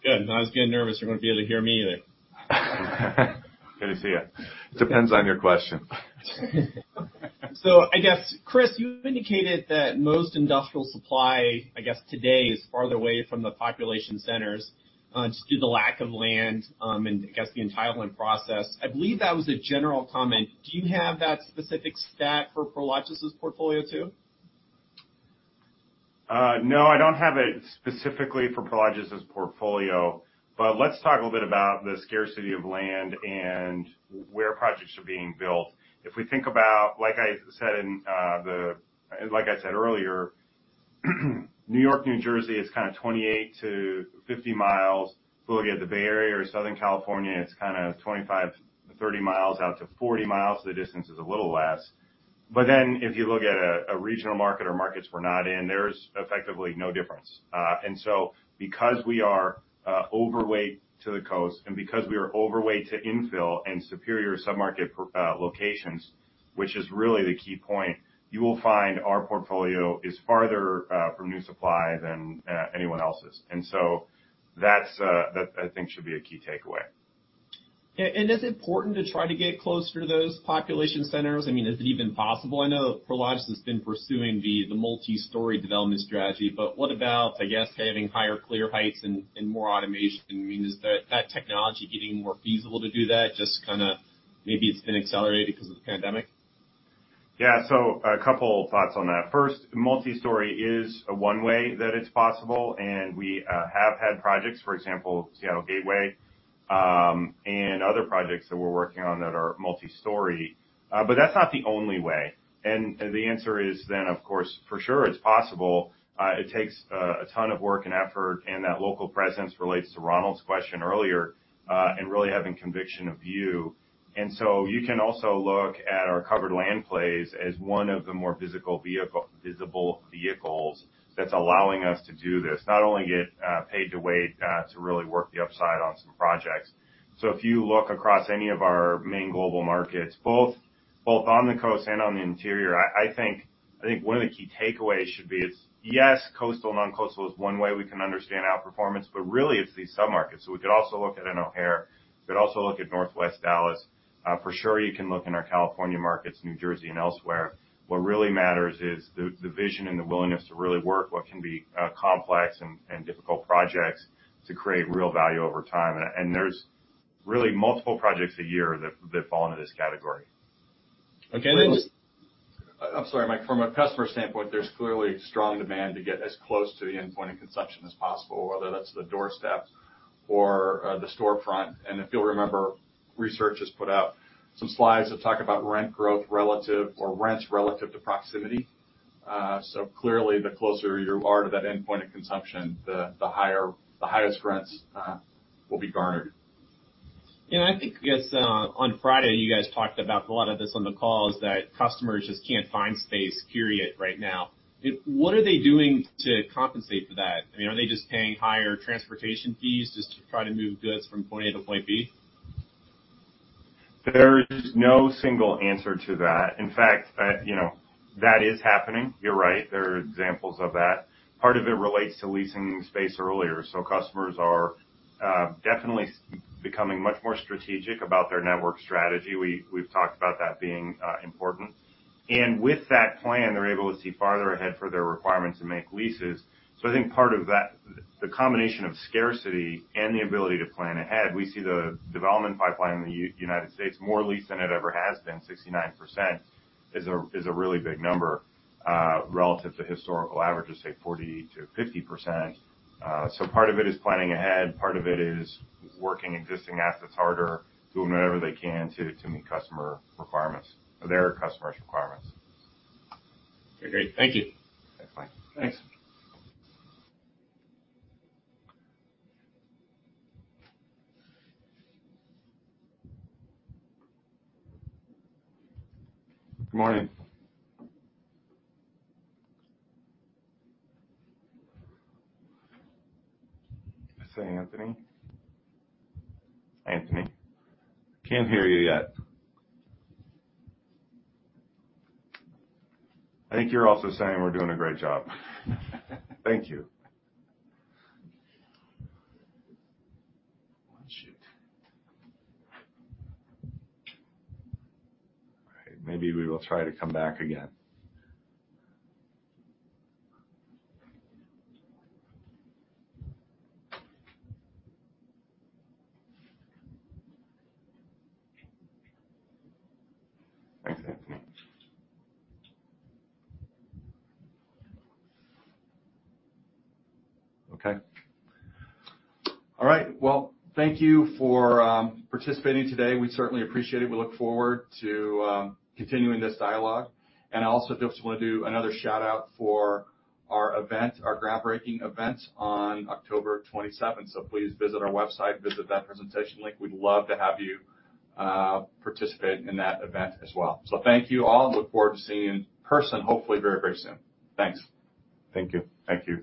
Good. I was getting nervous you weren't going to be able to hear me either. Good to see you. Depends on your question. I guess, Chris, you indicated that most industrial supply, I guess, today is farther away from the population centers, just due to the lack of land, and I guess the entitlement process. I believe that was a general comment. Do you have that specific stat for Prologis' portfolio, too? I don't have it specifically for Prologis' portfolio. Let's talk a little bit about the scarcity of land and where projects are being built. If we think about, like I said earlier, New York, New Jersey is kind of 28 to 50 miles. If you look at the Bay Area or Southern California, it's kind of 25, 30 miles out to 40 miles. The distance is a little less. If you look at a regional market or markets we're not in, there's effectively no difference. Because we are overweight to the coast and because we are overweight to infill and superior submarket locations, which is really the key point, you will find our portfolio is farther from new supply than anyone else's. That, I think, should be a key takeaway. Is it important to try to get closer to those population centers? Is it even possible? I know Prologis has been pursuing the multi-story development strategy, but what about, I guess, having higher clear heights and more automation? Is that technology getting more feasible to do that, just maybe it's been accelerated because of the pandemic? Yeah. A couple thoughts on that. First, multi-story is one way that it's possible, and we have had projects, for example, Seattle Gateway, and other projects that we're working on that are multi-story. That's not the only way, and the answer is, of course, for sure it's possible. It takes a ton of work and effort, and that local presence relates to Ronald's question earlier, and really having conviction of view. You can also look at our covered land plays as one of the more visible vehicles that's allowing us to do this. Not only get paid to wait to really work the upside on some projects. If you look across any of our main global markets, both on the coast and on the interior, I think one of the key takeaways should be is, yes, coastal, non-coastal is one way we can understand outperformance, but really it's these submarkets. We could also look at an O'Hare, we could also look at Northwest Dallas. For sure you can look in our California markets, New Jersey, and elsewhere. What really matters is the vision and the willingness to really work what can be complex and difficult projects to create real value over time. There's really multiple projects a year that fall into this category. Okay, thanks. I'm sorry, Mike. From a customer standpoint, there's clearly strong demand to get as close to the endpoint of consumption as possible, whether that's the doorstep or the storefront. If you'll remember, Prologis Research has put out some slides that talk about rents relative to proximity. Clearly the closer you are to that endpoint of consumption, the highest rents will be garnered. Yeah, I think, I guess, on Friday, you guys talked about a lot of this on the call is that customers just can't find space, period, right now. What are they doing to compensate for that? Are they just paying higher transportation fees just to try to move goods from point A to point B? There's no single answer to that. In fact, that is happening. You're right. There are examples of that. Part of it relates to leasing space earlier. Customers are definitely becoming much more strategic about their network strategy. We've talked about that being important. With that plan, they're able to see farther ahead for their requirements and make leases. I think part of that, the combination of scarcity and the ability to plan ahead, we see the development pipeline in the United States more leased than it ever has been, 69% is a really big number, relative to historical averages, say 40%-50%. Part of it is planning ahead, part of it is working existing assets harder, doing whatever they can to meet their customers' requirements. Okay, great. Thank you. Thanks, Mike. Thanks. Good morning. Did I say Anthony? Anthony. Can't hear you yet. I think you're also saying we're doing a great job. Thank you. Well, shoot. All right. Maybe we will try to come back again. Thanks, Anthony. Okay. All right. Well, thank you for participating today. We certainly appreciate it. We look forward to continuing this dialogue. I also just want to do another shout-out for our event, our groundbreaking event on October 27th. Please visit our website, visit that presentation link. We'd love to have you participate in that event as well. Thank you all, look forward to seeing you in person, hopefully very soon. Thanks. Thank you. Thank you.